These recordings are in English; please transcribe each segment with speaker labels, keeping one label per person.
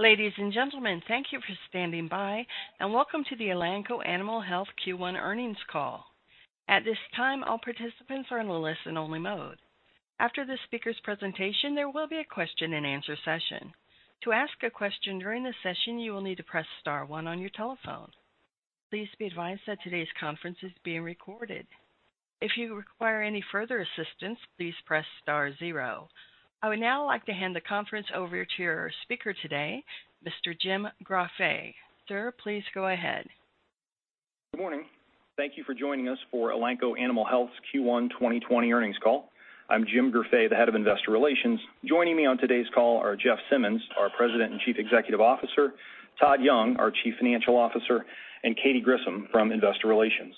Speaker 1: Ladies and gentlemen, thank you for standing by, and welcome to the Elanco Animal Health Q1 earnings call. At this time, all participants are in the listen-only mode. After this speaker's presentation, there will be a question-and-answer session. To ask a question during the session, you will need to press star one on your telephone. Please be advised that today's conference is being recorded. If you require any further assistance, please press star zero. I would now like to hand the conference over to your speaker today, Mr. Jim Greffet. Sir, please go ahead.
Speaker 2: Good morning. Thank you for joining us for Elanco Animal Health's Q1 2020 earnings call. I'm Jim Greffet, Head of Investor Relations. Joining me on today's call are Jeff Simmons, our President and Chief Executive Officer, Todd Young, our Chief Financial Officer, and Katy Grissom from investor relations.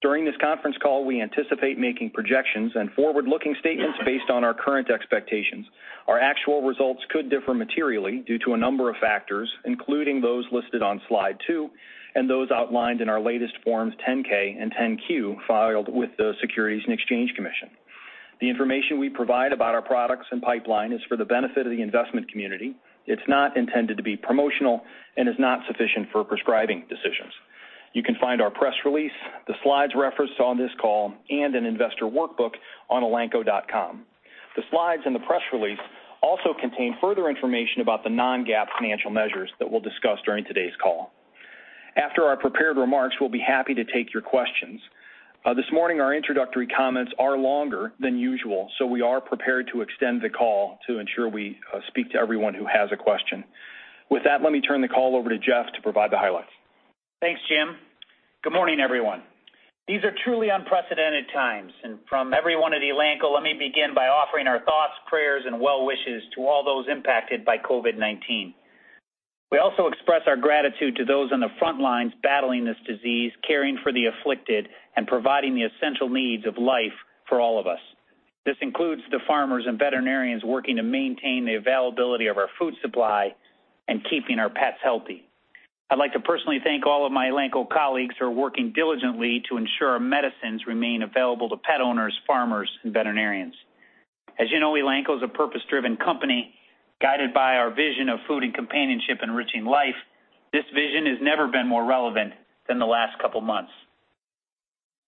Speaker 2: During this conference call, we anticipate making projections and forward-looking statements based on our current expectations. Our actual results could differ materially due to a number of factors, including those listed on slide two and those outlined in our latest Forms 10-K and 10-Q filed with the Securities and Exchange Commission. The information we provide about our products and pipeline is for the benefit of the investment community. It's not intended to be promotional and is not sufficient for prescribing decisions. You can find our press release, the slides referenced on this call, and an investor workbook on elanco.com. The slides and the press release also contain further information about the non-GAAP financial measures that we'll discuss during today's call. After our prepared remarks, we'll be happy to take your questions. This morning, our introductory comments are longer than usual, so we are prepared to extend the call to ensure we speak to everyone who has a question. With that, let me turn the call over to Jeff to provide the highlights.
Speaker 3: Thanks, Jim. Good morning, everyone. These are truly unprecedented times, and from everyone at Elanco, let me begin by offering our thoughts, prayers, and well-wishes to all those impacted by COVID-19. We also express our gratitude to those on the front lines battling this disease, caring for the afflicted, and providing the essential needs of life for all of us. This includes the farmers and veterinarians working to maintain the availability of our food supply and keeping our pets healthy. I'd like to personally thank all of my Elanco colleagues who are working diligently to ensure our medicines remain available to pet owners, farmers, and veterinarians. As you know, Elanco is a purpose-driven company guided by our vision of food and companionship enriching life. This vision has never been more relevant than the last couple of months.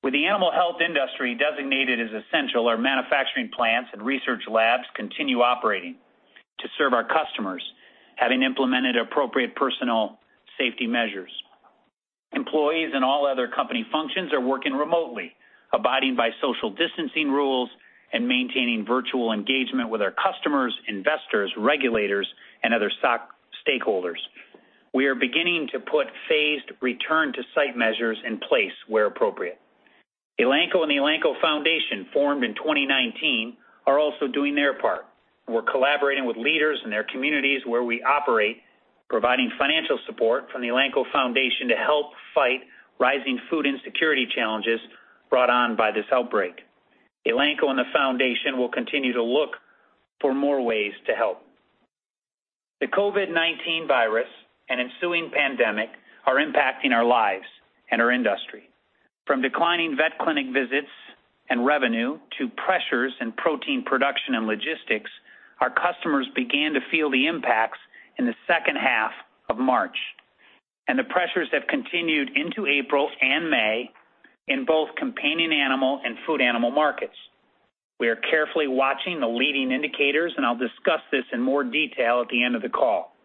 Speaker 3: With the animal health industry designated as essential, our manufacturing plants and research labs continue operating to serve our customers, having implemented appropriate personal safety measures. Employees and all other company functions are working remotely, abiding by social distancing rules and maintaining virtual engagement with our customers, investors, regulators, and other stakeholders. We are beginning to put phased return-to-site measures in place where appropriate. Elanco and the Elanco Foundation, formed in 2019, are also doing their part. We're collaborating with leaders in their communities where we operate, providing financial support from the Elanco Foundation to help fight rising food insecurity challenges brought on by this outbreak. Elanco and the Foundation will continue to look for more ways to help. The COVID-19 virus and ensuing pandemic are impacting our lives and our industry. From declining vet clinic visits and revenue to pressures in protein production and logistics, our customers began to feel the impacts in the second half of March, and the pressures have continued into April and May in both companion animal and food animal markets. We are carefully watching the leading indicators, and I'll discuss this in more detail at the end of the call.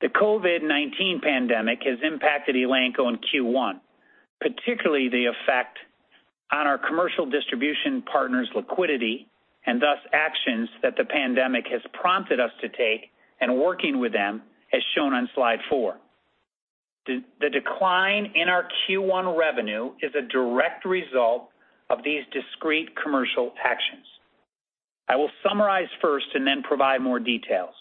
Speaker 3: The COVID-19 pandemic has impacted Elanco and Q1, particularly the effect on our commercial distribution partners' liquidity and thus actions that the pandemic has prompted us to take, and working with them as shown on slide four. The decline in our Q1 revenue is a direct result of these discrete commercial actions. I will summarize first and then provide more details.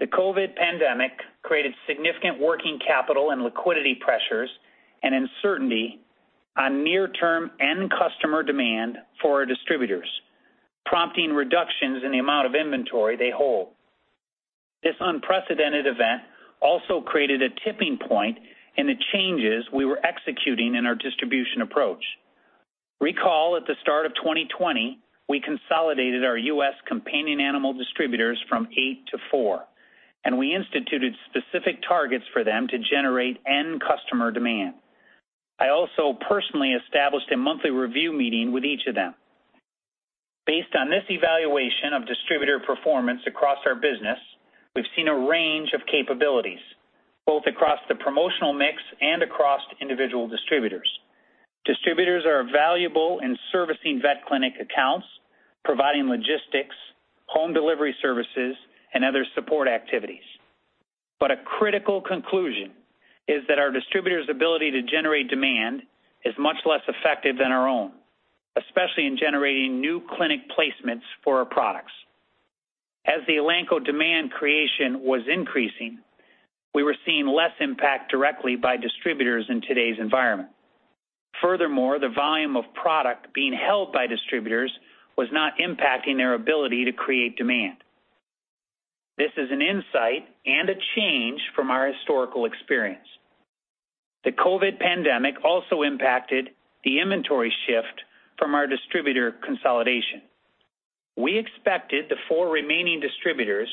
Speaker 3: The COVID pandemic created significant working capital and liquidity pressures and uncertainty on near-term end customer demand for our distributors, prompting reductions in the amount of inventory they hold. This unprecedented event also created a tipping point in the changes we were executing in our distribution approach. Recall at the start of 2020, we consolidated our U.S. companion animal distributors from eight to four, and we instituted specific targets for them to generate end customer demand. I also personally established a monthly review meeting with each of them. Based on this evaluation of distributor performance across our business, we've seen a range of capabilities both across the promotional mix and across individual distributors. Distributors are valuable in servicing vet clinic accounts, providing logistics, home delivery services, and other support activities. A critical conclusion is that our distributors' ability to generate demand is much less effective than our own, especially in generating new clinic placements for our products. As the Elanco demand creation was increasing, we were seeing less impact directly by distributors in today's environment. Furthermore, the volume of product being held by distributors was not impacting their ability to create demand. This is an insight and a change from our historical experience. The COVID pandemic also impacted the inventory shift from our distributor consolidation. We expected the four remaining distributors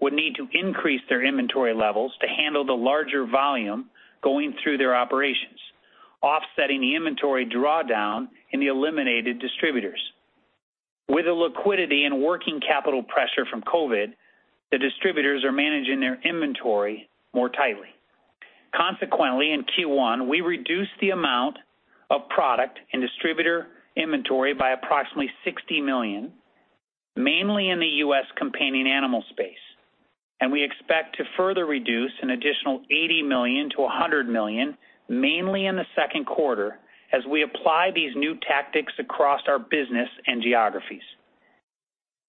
Speaker 3: would need to increase their inventory levels to handle the larger volume going through their operations, offsetting the inventory drawdown in the eliminated distributors. With the liquidity and working capital pressure from COVID, the distributors are managing their inventory more tightly. Consequently, in Q1, we reduced the amount of product in distributor inventory by approximately $60 million, mainly in the U.S. companion animal space, and we expect to further reduce an additional $80 million-$100 million, mainly in the second quarter, as we apply these new tactics across our business and geographies.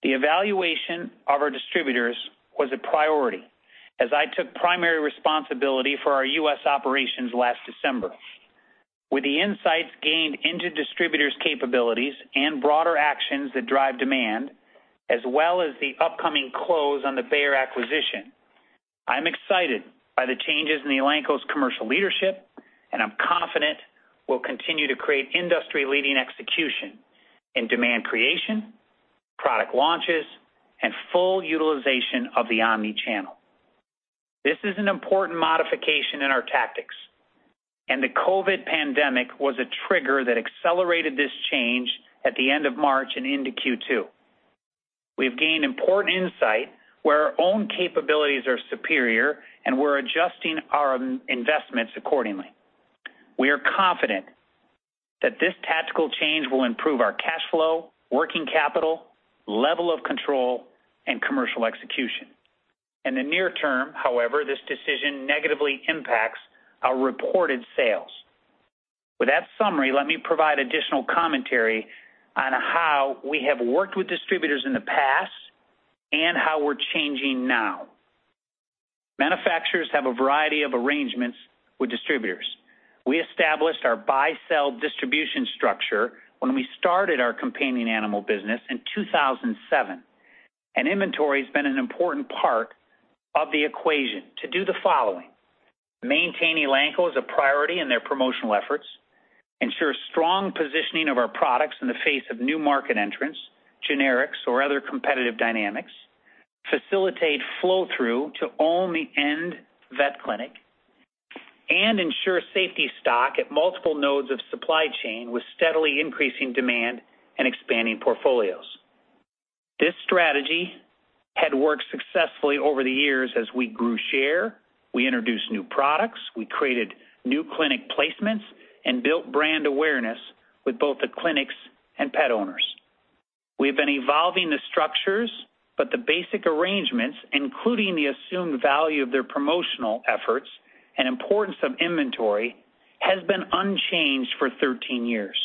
Speaker 3: The evaluation of our distributors was a priority as I took primary responsibility for our U.S. operations last December. With the insights gained into distributors' capabilities and broader actions that drive demand, as well as the upcoming close on the Bayer acquisition, I'm excited by the changes in Elanco's commercial leadership, and I'm confident we'll continue to create industry-leading execution in demand creation, product launches, and full utilization of the omnichannel. This is an important modification in our tactics, and the COVID pandemic was a trigger that accelerated this change at the end of March and into Q2. We have gained important insight where our own capabilities are superior, and we're adjusting our investments accordingly. We are confident that this tactical change will improve our cash flow, working capital, level of control, and commercial execution. In the near term, however, this decision negatively impacts our reported sales. With that summary, let me provide additional commentary on how we have worked with distributors in the past and how we're changing now. Manufacturers have a variety of arrangements with distributors. We established our buy-sell distribution structure when we started our companion animal business in 2007, and inventory has been an important part of the equation to do the following: maintain Elanco as a priority in their promotional efforts, ensure strong positioning of our products in the face of new market entrants, generics, or other competitive dynamics, facilitate flow-through to only end vet clinic, and ensure safety stock at multiple nodes of supply chain with steadily increasing demand and expanding portfolios. This strategy had worked successfully over the years as we grew share, we introduced new products, we created new clinic placements, and built brand awareness with both the clinics and pet owners. We have been evolving the structures, but the basic arrangements, including the assumed value of their promotional efforts and importance of inventory, have been unchanged for 13 years.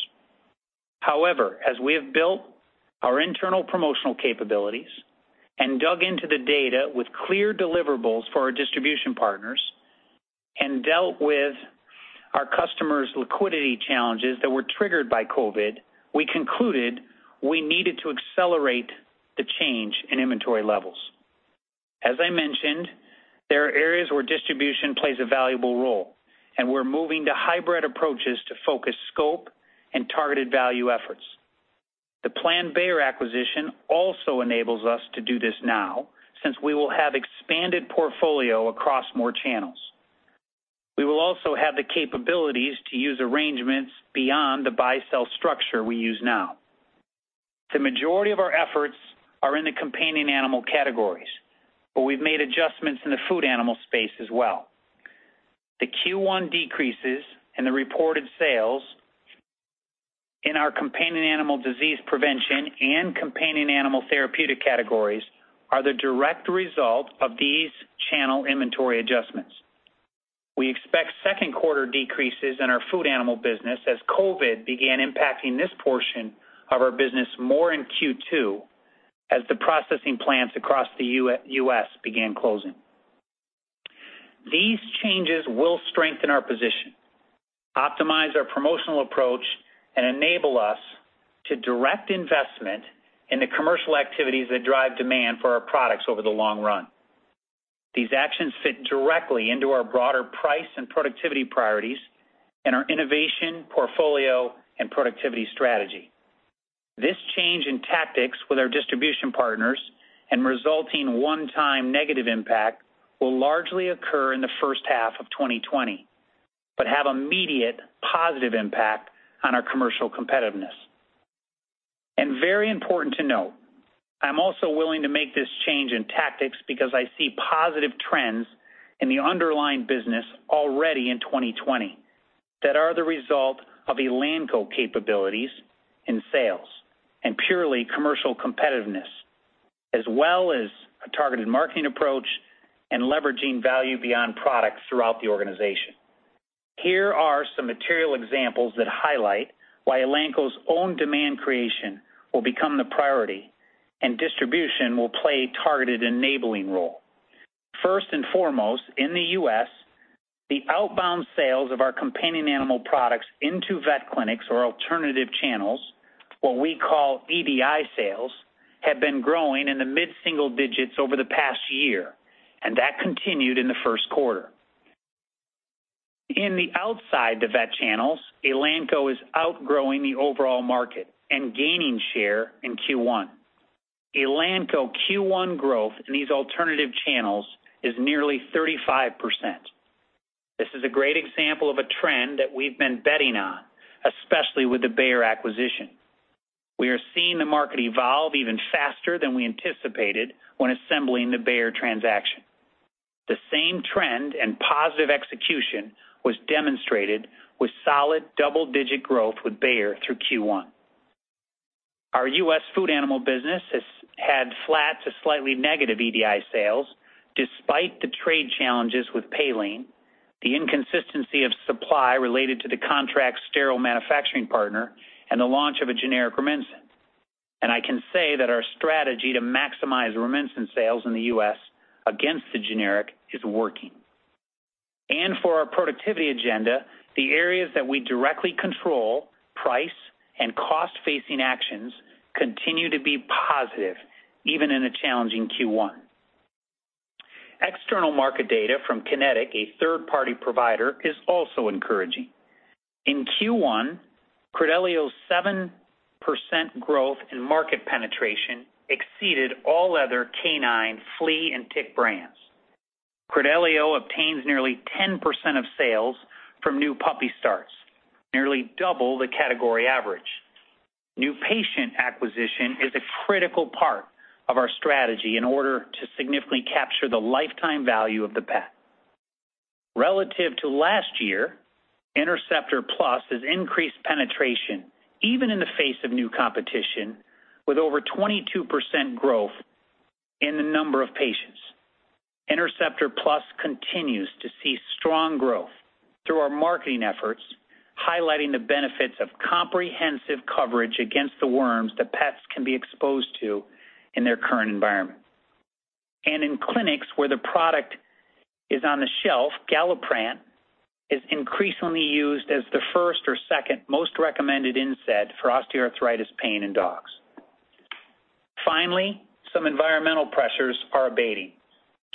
Speaker 3: However, as we have built our internal promotional capabilities and dug into the data with clear deliverables for our distribution partners and dealt with our customers' liquidity challenges that were triggered by COVID, we concluded we needed to accelerate the change in inventory levels. As I mentioned, there are areas where distribution plays a valuable role, and we're moving to hybrid approaches to focus scope and targeted value efforts. The planned Bayer acquisition also enables us to do this now since we will have an expanded portfolio across more channels. We will also have the capabilities to use arrangements beyond the buy-sell structure we use now. The majority of our efforts are in the companion animal categories, but we've made adjustments in the food animal space as well. The Q1 decreases in the reported sales in ourCompanion Animal Disease Prevention and Companion Animal Therapeutics categories are the direct result of these channel inventory adjustments. We expect second-quarter decreases in our food animal business as COVID began impacting this portion of our business more in Q2 as the processing plants across the U.S. began closing. These changes will strengthen our position, optimize our promotional approach, and enable us to direct investment in the commercial activities that drive demand for our products over the long run. These actions fit directly into our broader price and productivity priorities and our innovation portfolio and productivity strategy. This change in tactics with our distribution partners and resulting one-time negative impact will largely occur in the first half of 2020 but have immediate positive impact on our commercial competitiveness. Very important to note, I'm also willing to make this change in tactics because I see positive trends in the underlying business already in 2020 that are the result of Elanco capabilities in sales and purely commercial competitiveness, as well as a targeted marketing approach and leveraging value beyond products throughout the organization. Here are some material examples that highlight why Elanco's own demand creation will become the priority and distribution will play a targeted enabling role. First and foremost, in the U.S., the outbound sales of our companion animal products into vet clinics or alternative channels, what we call EDI sales, have been growing in the mid-single digits over the past year, and that continued in the first quarter. In the outside of vet channels, Elanco is outgrowing the overall market and gaining share in Q1. Elanco Q1 growth in these alternative channels is nearly 35%. This is a great example of a trend that we've been betting on, especially with the Bayer acquisition. We are seeing the market evolve even faster than we anticipated when assembling the Bayer transaction. The same trend and positive execution was demonstrated with solid double-digit growth with Bayer through Q1. Our U.S. food animal business has had flat to slightly negative EDI sales despite the trade challenges with Paylean, the inconsistency of supply related to the contract sterile manufacturing partner, and the launch of a generic Rumensin. And I can say that our strategy to maximize Rumensin sales in the U.S. against the generic is working. And for our productivity agenda, the areas that we directly control, price, and cost-facing actions continue to be positive even in a challenging Q1. External market data from Kynetec, a third-party provider, is also encouraging. In Q1, Credelio's 7% growth in market penetration exceeded all other canine, flea, and tick brands. Credelio obtains nearly 10% of sales from new puppy starts, nearly double the category average. New patient acquisition is a critical part of our strategy in order to significantly capture the lifetime value of the pet. Relative to last year, Interceptor Plus has increased penetration even in the face of new competition with over 22% growth in the number of patients. Interceptor Plus continues to see strong growth through our marketing efforts, highlighting the benefits of comprehensive coverage against the worms that pets can be exposed to in their current environment, and in clinics where the product is on the shelf, Galliprant is increasingly used as the first or second most recommended NSAID for osteoarthritis pain in dogs. Finally, some environmental pressures are abating.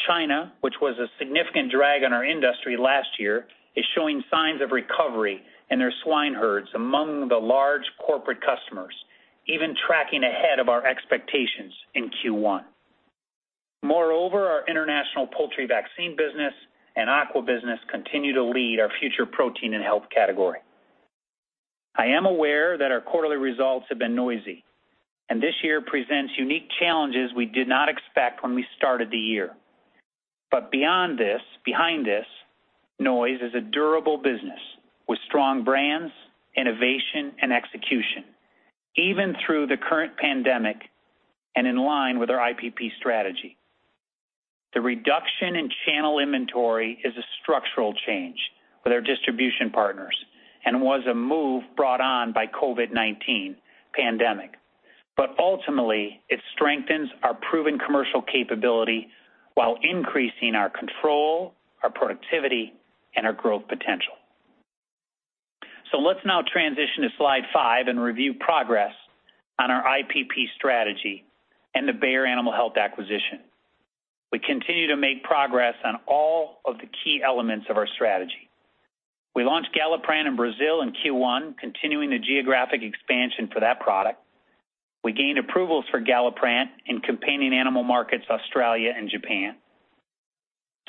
Speaker 3: China, which was a significant drag on our industry last year, is showing signs of recovery in their swine herds among the large corporate customers, even tracking ahead of our expectations in Q1. Moreover, our international poultry vaccine business and aqua business continue to lead our Future Protein & Health category. I am aware that our quarterly results have been noisy, and this year presents unique challenges we did not expect when we started the year. But beyond this, noise is a durable business with strong brands, innovation, and execution, even through the current pandemic and in line with our IPP strategy. The reduction in channel inventory is a structural change with our distribution partners and was a move brought on by the COVID-19 pandemic. But ultimately, it strengthens our proven commercial capability while increasing our control, our productivity, and our growth potential. So let's now transition to slide five and review progress on our IPP strategy and the Bayer Animal Health acquisition. We continue to make progress on all of the key elements of our strategy. We launched Galliprant in Brazil in Q1, continuing the geographic expansion for that product. We gained approvals for Galliprant in companion animal markets Australia and Japan.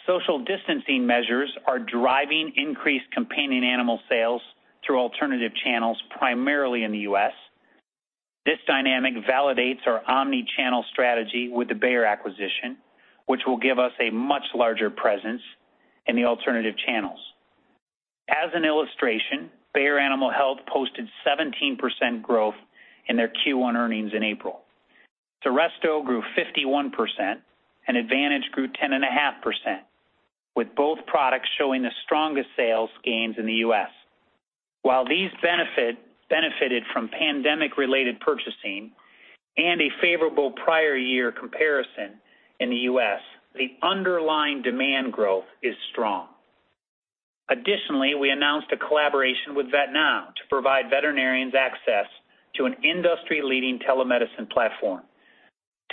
Speaker 3: Social distancing measures are driving increased companion animal sales through alternative channels primarily in the U.S. This dynamic validates our omnichannel strategy with the Bayer acquisition, which will give us a much larger presence in the alternative channels. As an illustration, Bayer Animal Health posted 17% growth in their Q1 earnings in April. Seresto grew 51%, and Advantage grew 10.5%, with both products showing the strongest sales gains in the U.S. While these benefited from pandemic-related purchasing and a favorable prior year comparison in the U.S., the underlying demand growth is strong. Additionally, we announced a collaboration with VetNow to provide veterinarians access to an industry-leading telemedicine platform.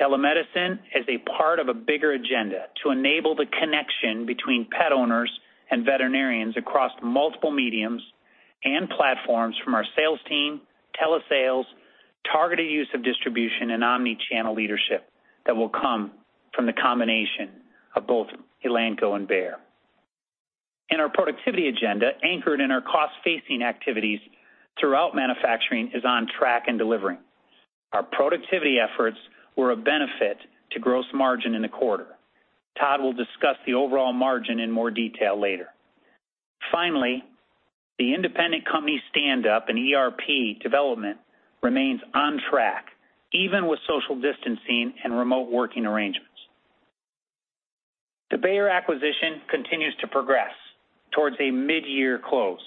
Speaker 3: Telemedicine is a part of a bigger agenda to enable the connection between pet owners and veterinarians across multiple mediums and platforms from our sales team, telesales, targeted use of distribution, and omnichannel leadership that will come from the combination of both Elanco and Bayer. In our productivity agenda, anchored in our cost-saving activities throughout manufacturing, is on track and delivering. Our productivity efforts were a benefit to gross margin in the quarter. Todd will discuss the overall margin in more detail later. Finally, the independent company's standalone ERP development remains on track, even with social distancing and remote working arrangements. The Bayer acquisition continues to progress towards a mid-year close.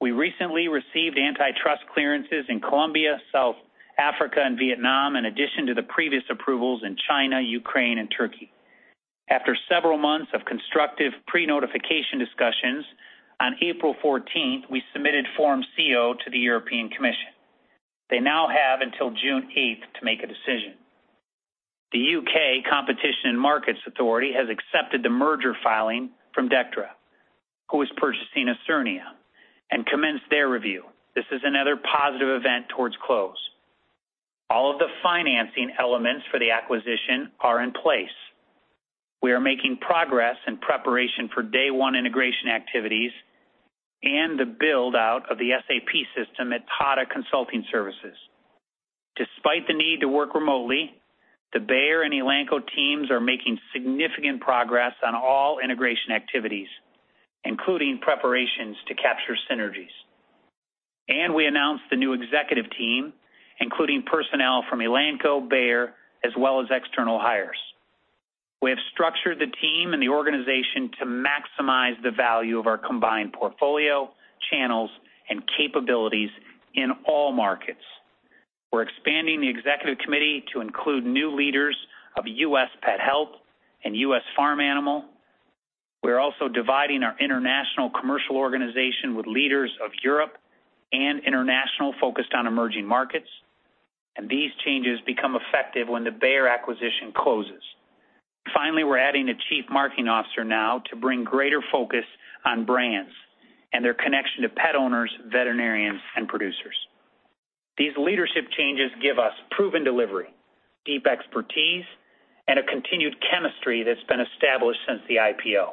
Speaker 3: We recently received antitrust clearances in Colombia, South Africa, and Vietnam, in addition to the previous approvals in China, Ukraine, and Turkey. After several months of constructive pre-notification discussions, on April 14th, we submitted Form CO to the European Commission. They now have until June 8th to make a decision. The U.K. Competition and Markets Authority has accepted the merger filing from Dechra, who is purchasing Osurnia, and commenced their review. This is another positive event towards close. All of the financing elements for the acquisition are in place. We are making progress in preparation for day-one integration activities and the build-out of the SAP system at Tata Consulting Services. Despite the need to work remotely, the Bayer and Elanco teams are making significant progress on all integration activities, including preparations to capture synergies. We announced the new executive team, including personnel from Elanco, Bayer, as well as external hires. We have structured the team and the organization to maximize the value of our combined portfolio, channels, and capabilities in all markets. We're expanding the executive committee to include new leaders of U.S. Pet Health and U.S. Farm Animal. We're also dividing our international commercial organization with leaders of Europe and international focused on emerging markets. These changes become effective when the Bayer acquisition closes. Finally, we're adding a Chief Marketing Officer now to bring greater focus on brands and their connection to pet owners, veterinarians, and producers. These leadership changes give us proven delivery, deep expertise, and a continued chemistry that's been established since the IPO.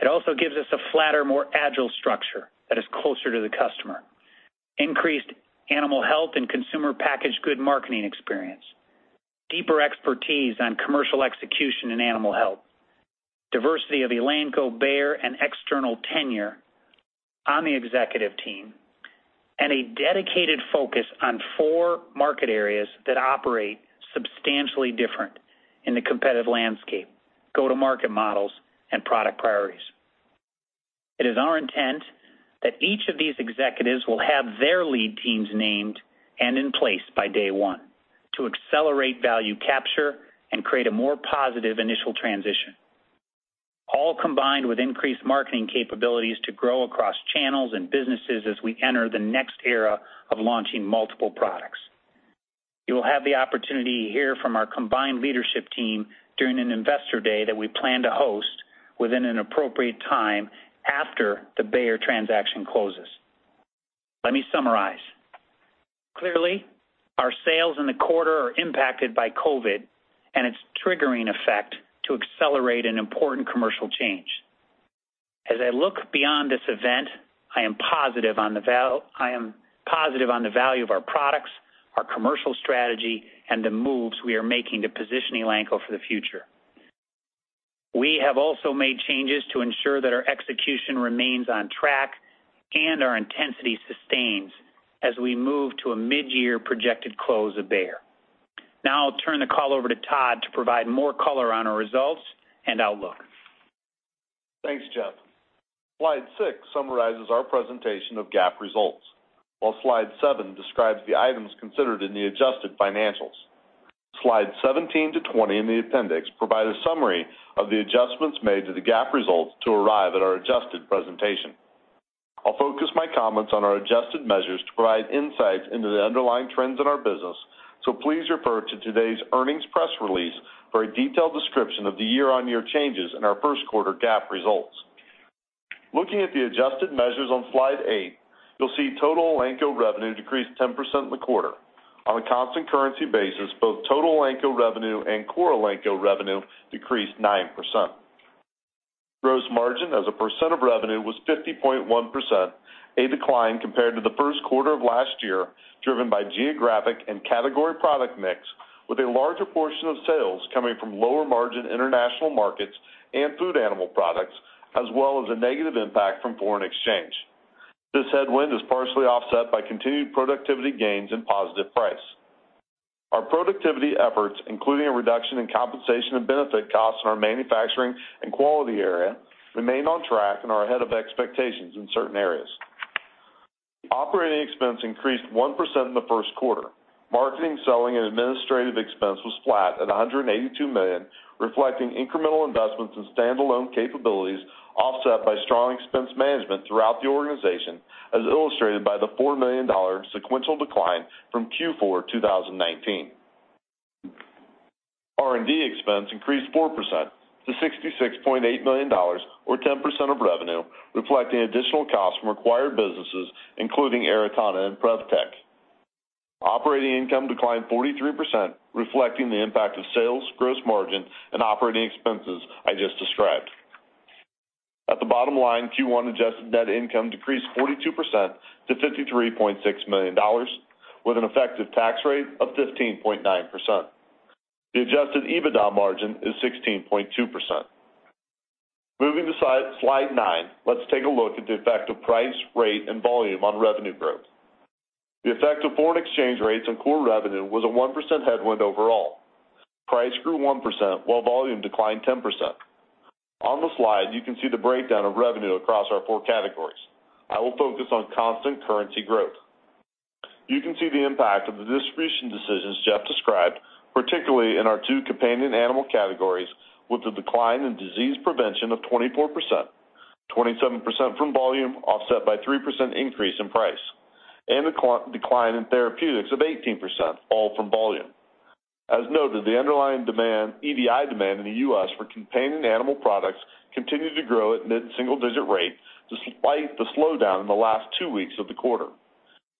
Speaker 3: It also gives us a flatter, more agile structure that is closer to the customer, increased animal health and consumer packaged goods marketing experience, deeper expertise on commercial execution and animal health, diversity of Elanco, Bayer, and external tenure on the executive team, and a dedicated focus on four market areas that operate substantially different in the competitive landscape, go-to-market models, and product priorities. It is our intent that each of these executives will have their lead teams named and in place by day one to accelerate value capture and create a more positive initial transition, all combined with increased marketing capabilities to grow across channels and businesses as we enter the next era of launching multiple products. You will have the opportunity to hear from our combined leadership team during an investor day that we plan to host within an appropriate time after the Bayer transaction closes. Let me summarize. Clearly, our sales in the quarter are impacted by COVID and its triggering effect to accelerate an important commercial change. As I look beyond this event, I am positive on the value of our products, our commercial strategy, and the moves we are making to position Elanco for the future. We have also made changes to ensure that our execution remains on track and our intensity sustains as we move to a mid-year projected close of Bayer. Now I'll turn the call over to Todd to provide more color on our results and outlook.
Speaker 4: Thanks, Jeff. Slide six summarizes our presentation of GAAP results, while slide seven describes the items considered in the adjusted financials. Slides 17 to 20 in the appendix provide a summary of the adjustments made to the GAAP results to arrive at our adjusted presentation. I'll focus my comments on our adjusted measures to provide insights into the underlying trends in our business, so please refer to today's earnings press release for a detailed description of the year-on-year changes in our first quarter GAAP results. Looking at the adjusted measures on slide eight, you'll see total Elanco revenue decreased 10% in the quarter. On a constant currency basis, both total Elanco revenue and core Elanco revenue decreased 9%. Gross margin as a percent of revenue was 50.1%, a decline compared to the first quarter of last year driven by geographic and category product mix, with a larger portion of sales coming from lower-margin international markets and food animal products, as well as a negative impact from foreign exchange. This headwind is partially offset by continued productivity gains and positive price. Our productivity efforts, including a reduction in compensation and benefit costs in our manufacturing and quality area, remain on track and are ahead of expectations in certain areas. Operating expense increased 1% in the first quarter. Marketing, selling, and administrative expense was flat at $182 million, reflecting incremental investments in standalone capabilities offset by strong expense management throughout the organization, as illustrated by the $4 million sequential decline from Q4 2019. R&D expense increased 4% to $66.8 million, or 10% of revenue, reflecting additional costs from acquired businesses, including Aratana and Prevtec. Operating income declined 43%, reflecting the impact of sales, gross margin, and operating expenses I just described. At the bottom line, Q1 adjusted net income decreased 42% to $53.6 million, with an effective tax rate of 15.9%. The adjusted EBITDA margin is 16.2%. Moving to slide nine, let's take a look at the effect of price, rate, and volume on revenue growth. The effect of foreign exchange rates on core revenue was a 1% headwind overall. Price grew 1%, while volume declined 10%. On the slide, you can see the breakdown of revenue across our four categories. I will focus on constant currency growth. You can see the impact of the distribution decisions Jeff described, particularly in our two companion animal categories, with a decline in disease prevention of 24%, 27% from volume, offset by a 3% increase in price, and a decline in therapeutics of 18%, all from volume. As noted, the underlying demand, EDI demand in the U.S., for companion animal products continued to grow at mid-single-digit rates despite the slowdown in the last two weeks of the quarter.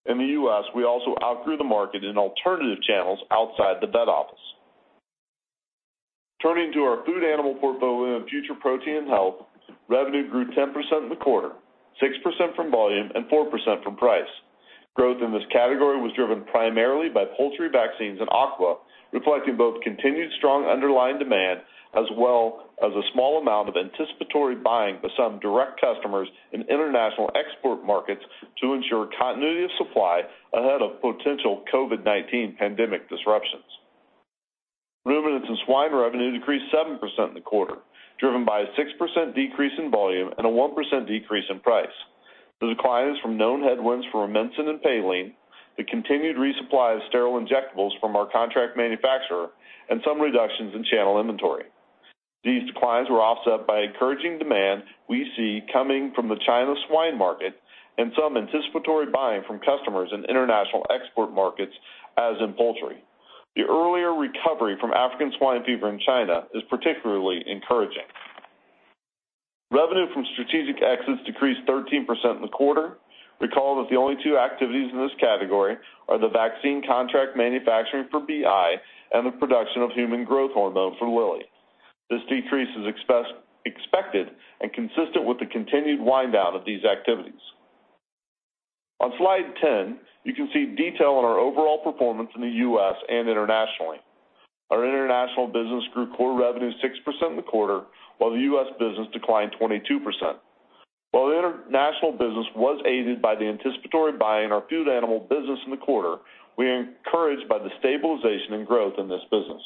Speaker 4: In the U.S., we also outgrew the market in alternative channels outside the vet office. Turning to our food animal portfolio and future protein and health, revenue grew 10% in the quarter, 6% from volume, and 4% from price. Growth in this category was driven primarily by poultry vaccines and aqua, reflecting both continued strong underlying demand as well as a small amount of anticipatory buying by some direct customers in international export markets to ensure continuity of supply ahead of potential COVID-19 pandemic disruptions. Ruminants and swine revenue decreased 7% in the quarter, driven by a 6% decrease in volume and a 1% decrease in price. The decline is from known headwinds from Rumensin and Paylean, the continued resupply of sterile injectables from our contract manufacturer, and some reductions in channel inventory. These declines were offset by encouraging demand we see coming from the China swine market and some anticipatory buying from customers in international export markets, as in poultry. The earlier recovery from African Swine Fever in China is particularly encouraging. Revenue from strategic exits decreased 13% in the quarter. Recall that the only two activities in this category are the vaccine contract manufacturing for BI and the production of human growth hormone for Lilly. This decrease is expected and consistent with the continued wind down of these activities. On slide 10, you can see detail on our overall performance in the U.S. and internationally. Our international business grew core revenue 6% in the quarter, while the U.S. business declined 22%. While the international business was aided by the anticipatory buying in our food animal business in the quarter, we are encouraged by the stabilization and growth in this business.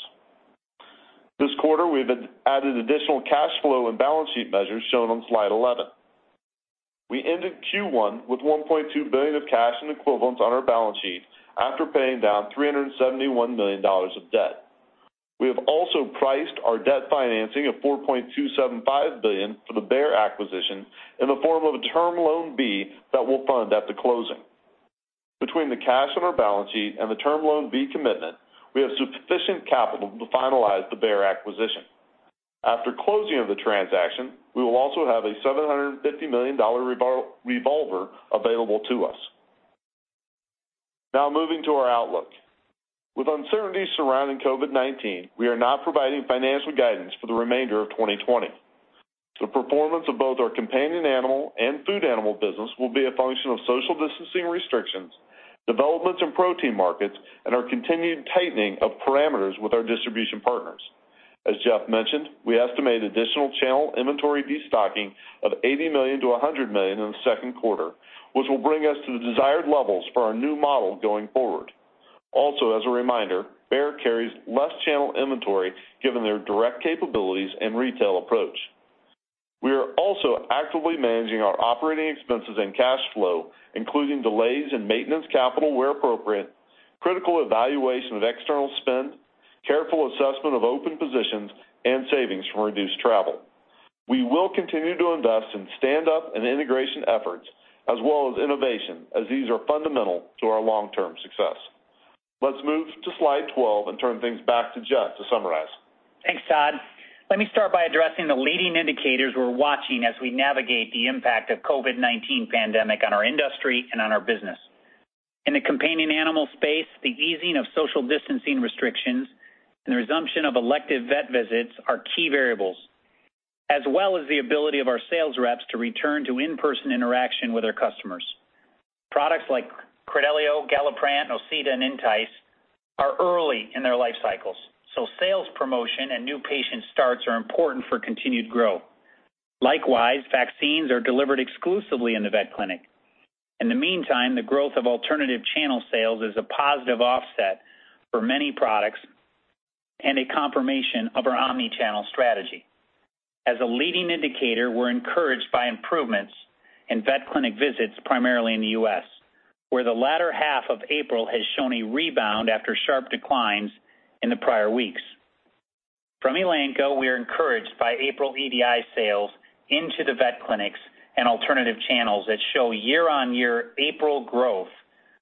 Speaker 4: This quarter, we have added additional cash flow and balance sheet measures shown on slide 11. We ended Q1 with $1.2 billion of cash and equivalents on our balance sheet after paying down $371 million of debt. We have also priced our debt financing of $4.275 billion for the Bayer acquisition in the form of a Term Loan B that we'll fund at the closing. Between the cash on our balance sheet and the Term Loan B commitment, we have sufficient capital to finalize the Bayer acquisition. After closing of the transaction, we will also have a $750 million revolver available to us. Now moving to our outlook. With uncertainties surrounding COVID-19, we are not providing financial guidance for the remainder of 2020. The performance of both our companion animal and food animal business will be a function of social distancing restrictions, developments in protein markets, and our continued tightening of parameters with our distribution partners. As Jeff mentioned, we estimate additional channel inventory destocking of $80 million-$100 million in the second quarter, which will bring us to the desired levels for our new model going forward. Also, as a reminder, Bayer carries less channel inventory given their direct capabilities and retail approach. We are also actively managing our operating expenses and cash flow, including delays in maintenance capital where appropriate, critical evaluation of external spend, careful assessment of open positions, and savings from reduced travel. We will continue to invest in Stand Up and integration efforts, as well as innovation, as these are fundamental to our long-term success. Let's move to slide 12 and turn things back to Jeff to summarize.
Speaker 3: Thanks, Todd. Let me start by addressing the leading indicators we're watching as we navigate the impact of the COVID-19 pandemic on our industry and on our business. In the companion animal space, the easing of social distancing restrictions and the resumption of elective vet visits are key variables, as well as the ability of our sales reps to return to in-person interaction with our customers. Products like Credelio, Galliprant, Osurnia, and Entyce are early in their life cycles, so sales promotion and new patient starts are important for continued growth. Likewise, vaccines are delivered exclusively in the vet clinic. In the meantime, the growth of alternative channel sales is a positive offset for many products and a confirmation of our omnichannel strategy. As a leading indicator, we're encouraged by improvements in vet clinic visits, primarily in the U.S., where the latter half of April has shown a rebound after sharp declines in the prior weeks. From Elanco, we are encouraged by April EDI sales into the vet clinics and alternative channels that show year-on-year April growth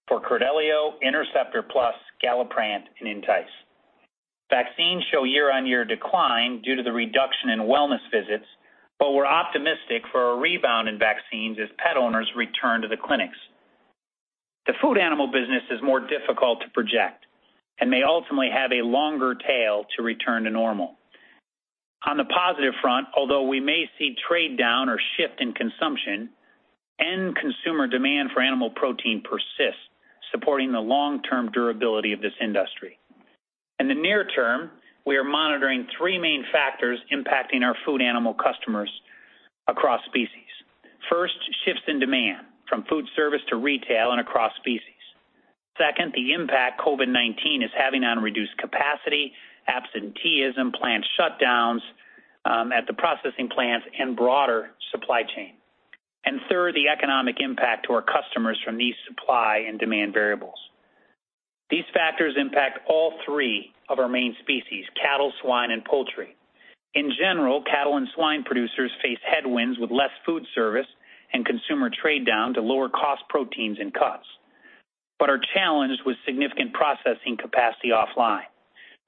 Speaker 3: for Credelio, Interceptor Plus, Galliprant, and Entyce. Vaccines show year-on-year decline due to the reduction in wellness visits, but we're optimistic for a rebound in vaccines as pet owners return to the clinics. The food animal business is more difficult to project and may ultimately have a longer tail to return to normal. On the positive front, although we may see trade down or shift in consumption, end consumer demand for animal protein persists, supporting the long-term durability of this industry. In the near term, we are monitoring three main factors impacting our food animal customers across species. First, shifts in demand from food service to retail and across species. Second, the impact COVID-19 is having on reduced capacity, absenteeism, plant shutdowns at the processing plants, and broader supply chain. And third, the economic impact to our customers from these supply and demand variables. These factors impact all three of our main species: cattle, swine, and poultry. In general, cattle and swine producers face headwinds with less food service and consumer trade down to lower-cost proteins and cuts, but are challenged with significant processing capacity offline,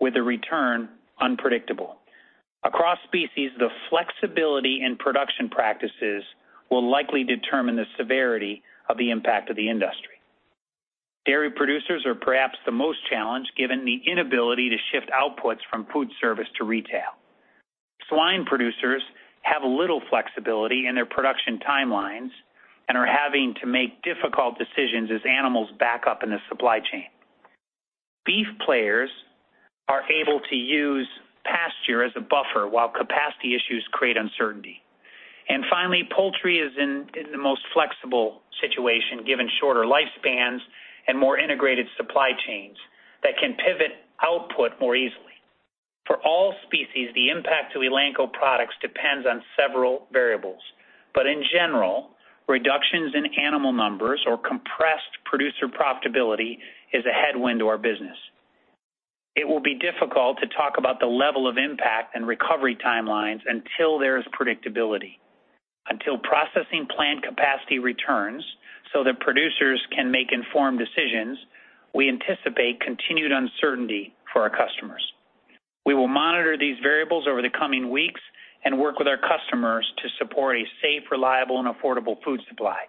Speaker 3: with the return unpredictable. Across species, the flexibility in production practices will likely determine the severity of the impact of the industry. Dairy producers are perhaps the most challenged given the inability to shift outputs from food service to retail. Swine producers have little flexibility in their production timelines and are having to make difficult decisions as animals back up in the supply chain. Beef players are able to use pasture as a buffer while capacity issues create uncertainty. And finally, poultry is in the most flexible situation given shorter lifespans and more integrated supply chains that can pivot output more easily. For all species, the impact of Elanco products depends on several variables, but in general, reductions in animal numbers or compressed producer profitability is a headwind to our business. It will be difficult to talk about the level of impact and recovery timelines until there is predictability, until processing plant capacity returns so that producers can make informed decisions. We anticipate continued uncertainty for our customers. We will monitor these variables over the coming weeks and work with our customers to support a safe, reliable, and affordable food supply.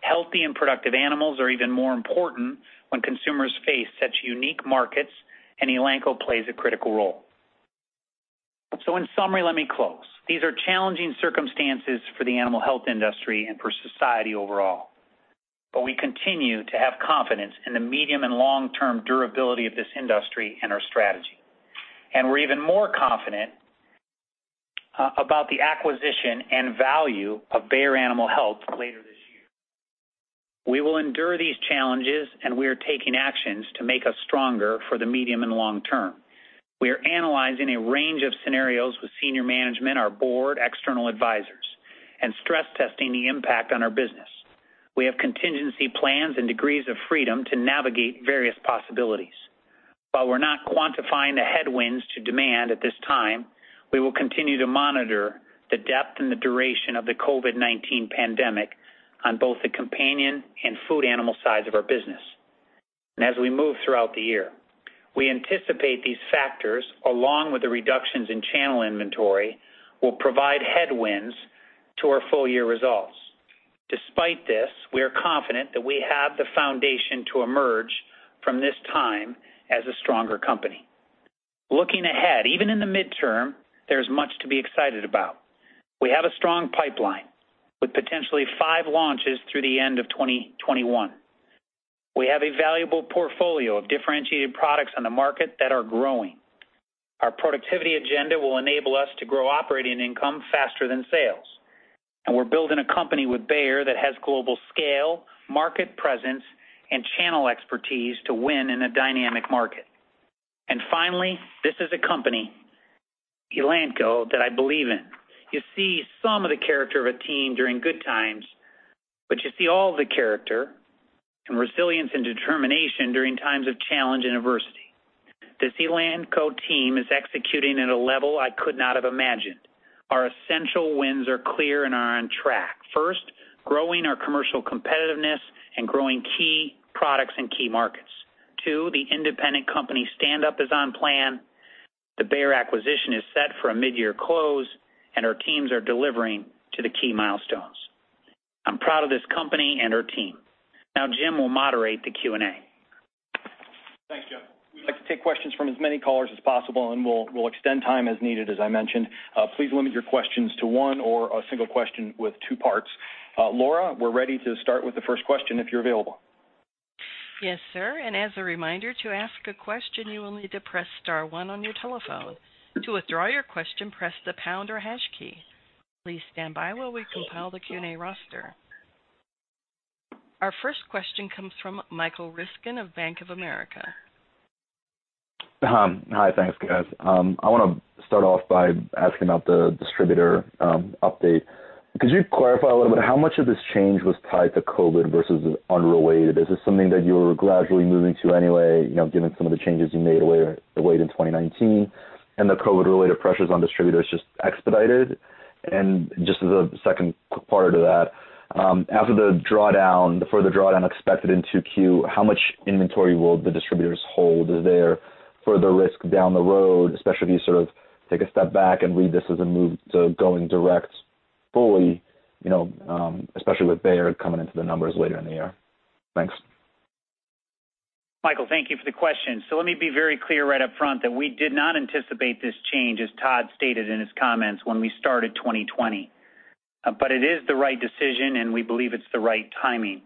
Speaker 3: Healthy and productive animals are even more important when consumers face such unique markets, and Elanco plays a critical role, so in summary, let me close. These are challenging circumstances for the animal health industry and for society overall, but we continue to have confidence in the medium and long-term durability of this industry and our strategy, and we're even more confident about the acquisition and value of Bayer Animal Health later this year. We will endure these challenges, and we are taking actions to make us stronger for the medium and long term. We are analyzing a range of scenarios with senior management, our board, external advisors, and stress testing the impact on our business. We have contingency plans and degrees of freedom to navigate various possibilities. While we're not quantifying the headwinds to demand at this time, we will continue to monitor the depth and the duration of the COVID-19 pandemic on both the companion and food animal sides of our business, and as we move throughout the year, we anticipate these factors, along with the reductions in channel inventory, will provide headwinds to our full-year results. Despite this, we are confident that we have the foundation to emerge from this time as a stronger company. Looking ahead, even in the midterm, there is much to be excited about. We have a strong pipeline with potentially five launches through the end of 2021. We have a valuable portfolio of differentiated products on the market that are growing. Our productivity agenda will enable us to grow operating income faster than sales. We're building a company with Bayer that has global scale, market presence, and channel expertise to win in a dynamic market. Finally, this is a company, Elanco, that I believe in. You see some of the character of a team during good times, but you see all the character and resilience and determination during times of challenge and adversity. This Elanco team is executing at a level I could not have imagined. Our essential wins are clear and are on track. First, growing our commercial competitiveness and growing key products in key markets. Two, the independent company Stand Up is on plan. The Bayer acquisition is set for a midyear close, and our teams are delivering to the key milestones. I'm proud of this company and our team. Now, Jim will moderate the Q&A.
Speaker 2: Thanks, Jeff. We'd like to take questions from as many callers as possible, and we'll extend time as needed, as I mentioned. Please limit your questions to one or a single question with two parts. Laura, we're ready to start with the first question if you're available.
Speaker 1: Yes, sir. And as a reminder, to ask a question, you will need to press star one on your telephone. To withdraw your question, press the pound or hash key. Please stand by while we compile the Q&A roster. Our first question comes from Michael Ryskin of Bank of America.
Speaker 5: Hi, thanks, guys. I want to start off by asking about the distributor update. Could you clarify a little bit how much of this change was tied to COVID versus unrelated? Is this something that you were gradually moving to anyway, given some of the changes you made away in 2019? And the COVID-related pressures on distributors just expedited? And just as a second part of that, after the drawdown, the further drawdown expected in Q2, how much inventory will the distributors hold? Is there further risk down the road, especially if you sort of take a step back and read this as a move to going direct fully, especially with Bayer coming into the numbers later in the year? Thanks.
Speaker 3: Michael, thank you for the question. So let me be very clear right up front that we did not anticipate this change, as Todd stated in his comments, when we started 2020. But it is the right decision, and we believe it's the right timing.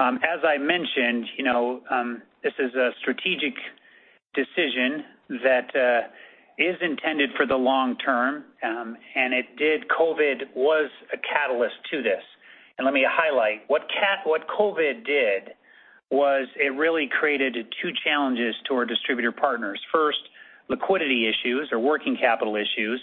Speaker 3: As I mentioned, this is a strategic decision that is intended for the long term, and COVID was a catalyst to this. And let me highlight. What COVID did was it really created two challenges to our distributor partners. First, liquidity issues or working capital issues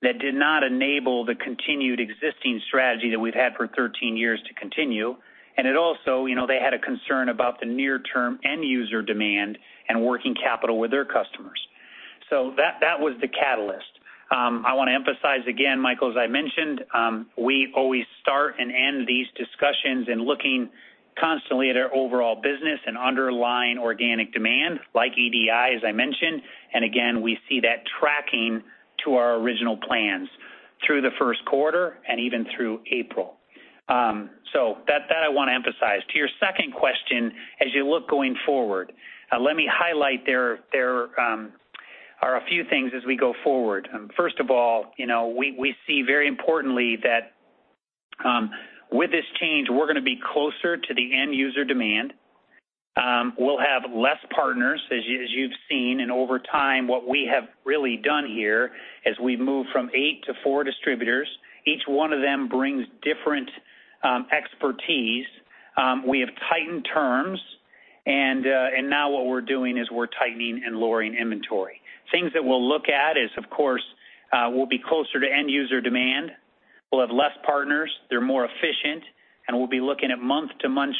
Speaker 3: that did not enable the continued existing strategy that we've had for 13 years to continue. And also, they had a concern about the near-term end user demand and working capital with their customers. So that was the catalyst. I want to emphasize again, Michael, as I mentioned, we always start and end these discussions in looking constantly at our overall business and underlying organic demand, like EDI, as I mentioned. And again, we see that tracking to our original plans through the first quarter and even through April. So that I want to emphasize. To your second question, as you look going forward, let me highlight there are a few things as we go forward. First of all, we see very importantly that with this change, we're going to be closer to the end user demand. We'll have less partners, as you've seen, and over time, what we have really done here is we've moved from eight to four distributors. Each one of them brings different expertise. We have tightened terms, and now what we're doing is we're tightening and lowering inventory. Things that we'll look at is, of course, we'll be closer to end user demand. We'll have less partners. They're more efficient, and we'll be looking at month-to-month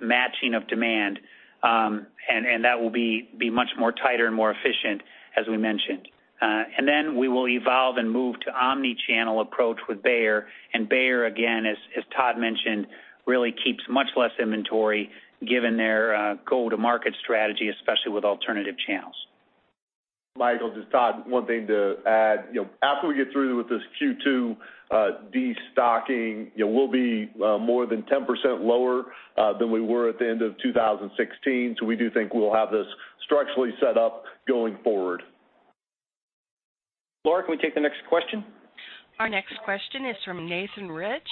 Speaker 3: matching of demand. And that will be much more tighter and more efficient, as we mentioned, and then we will evolve and move to omnichannel approach with Bayer. And Bayer, again, as Todd mentioned, really keeps much less inventory given their go-to-market strategy, especially with alternative channels.
Speaker 4: Michael, just Todd, one thing to add. After we get through with this Q2 destocking, we'll be more than 10% lower than we were at the end of 2016. So we do think we'll have this structurally set up going forward.
Speaker 3: Laura, can we take the next question?
Speaker 1: Our next question is from Nathan Rich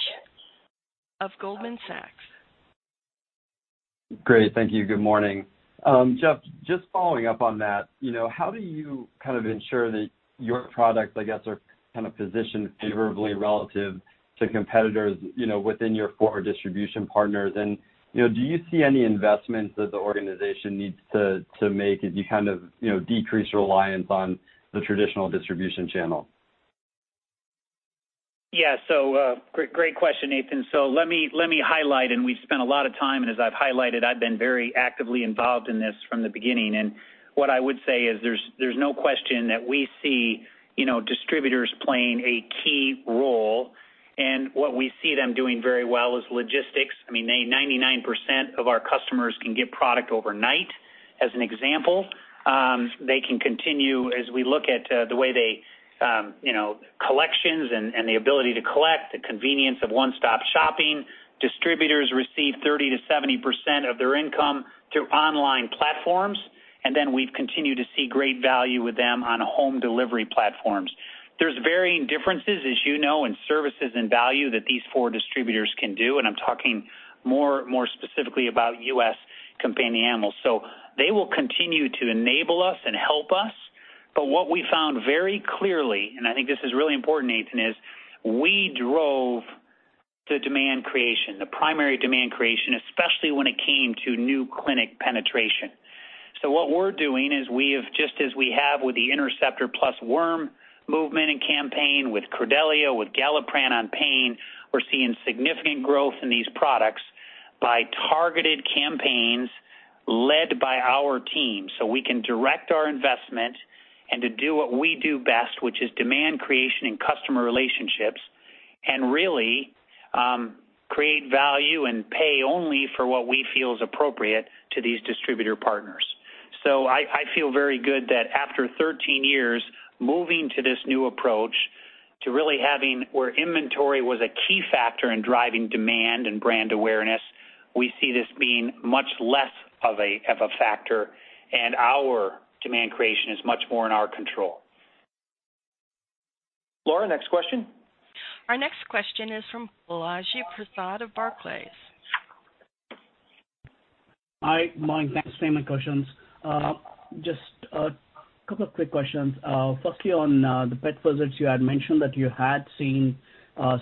Speaker 1: of Goldman Sachs. Great.
Speaker 6: Thank you. Good morning. Jeff, just following up on that, how do you kind of ensure that your products, I guess, are kind of positioned favorably relative to competitors within your four distribution partners? And do you see any investments that the organization needs to make as you kind of decrease reliance on the traditional distribution channel?
Speaker 3: Yeah. So great question, Nathan. So let me highlight, and we've spent a lot of time, and as I've highlighted, I've been very actively involved in this from the beginning. What I would say is there's no question that we see distributors playing a key role. And what we see them doing very well is logistics. I mean, 99% of our customers can get product overnight, as an example. They can continue, as we look at the way their collections and the ability to collect, the convenience of one-stop shopping. Distributors receive 30%-70% of their income through online platforms. And then we've continued to see great value with them on home delivery platforms. There's varying differences, as you know, in services and value that these four distributors can do. And I'm talking more specifically about U.S. companion animals. So they will continue to enable us and help us. But what we found very clearly, and I think this is really important, Nathan, is we drove the demand creation, the primary demand creation, especially when it came to new clinic penetration. So what we're doing is we have, just as we have with the Interceptor Plus worm movement and campaign with Credelio, with Galliprant on pain, we're seeing significant growth in these products by targeted campaigns led by our team. So we can direct our investment and to do what we do best, which is demand creation and customer relationships, and really create value and pay only for what we feel is appropriate to these distributor partners. So I feel very good that after 13 years moving to this new approach to really having where inventory was a key factor in driving demand and brand awareness, we see this being much less of a factor. Our demand creation is much more in our control. Laura, next question.
Speaker 1: Our next question is from Balaji Prasad of Barclays.
Speaker 7: Hi. Morning. Same questions. Just a couple of quick questions. Firstly, on the pet visits, you had mentioned that you had seen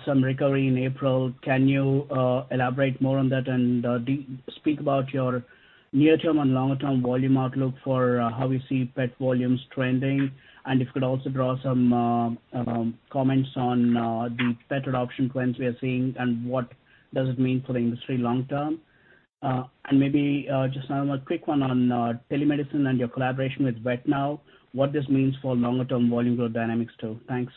Speaker 7: some recovery in April. Can you elaborate more on that and speak about your near-term and long-term volume outlook for how we see pet volumes trending? And if you could also draw some comments on the pet adoption trends we are seeing and what does it mean for the industry long-term. And maybe just a quick one on telemedicine and your collaboration with VetNow, what this means for longer-term volume growth dynamics too. Thanks.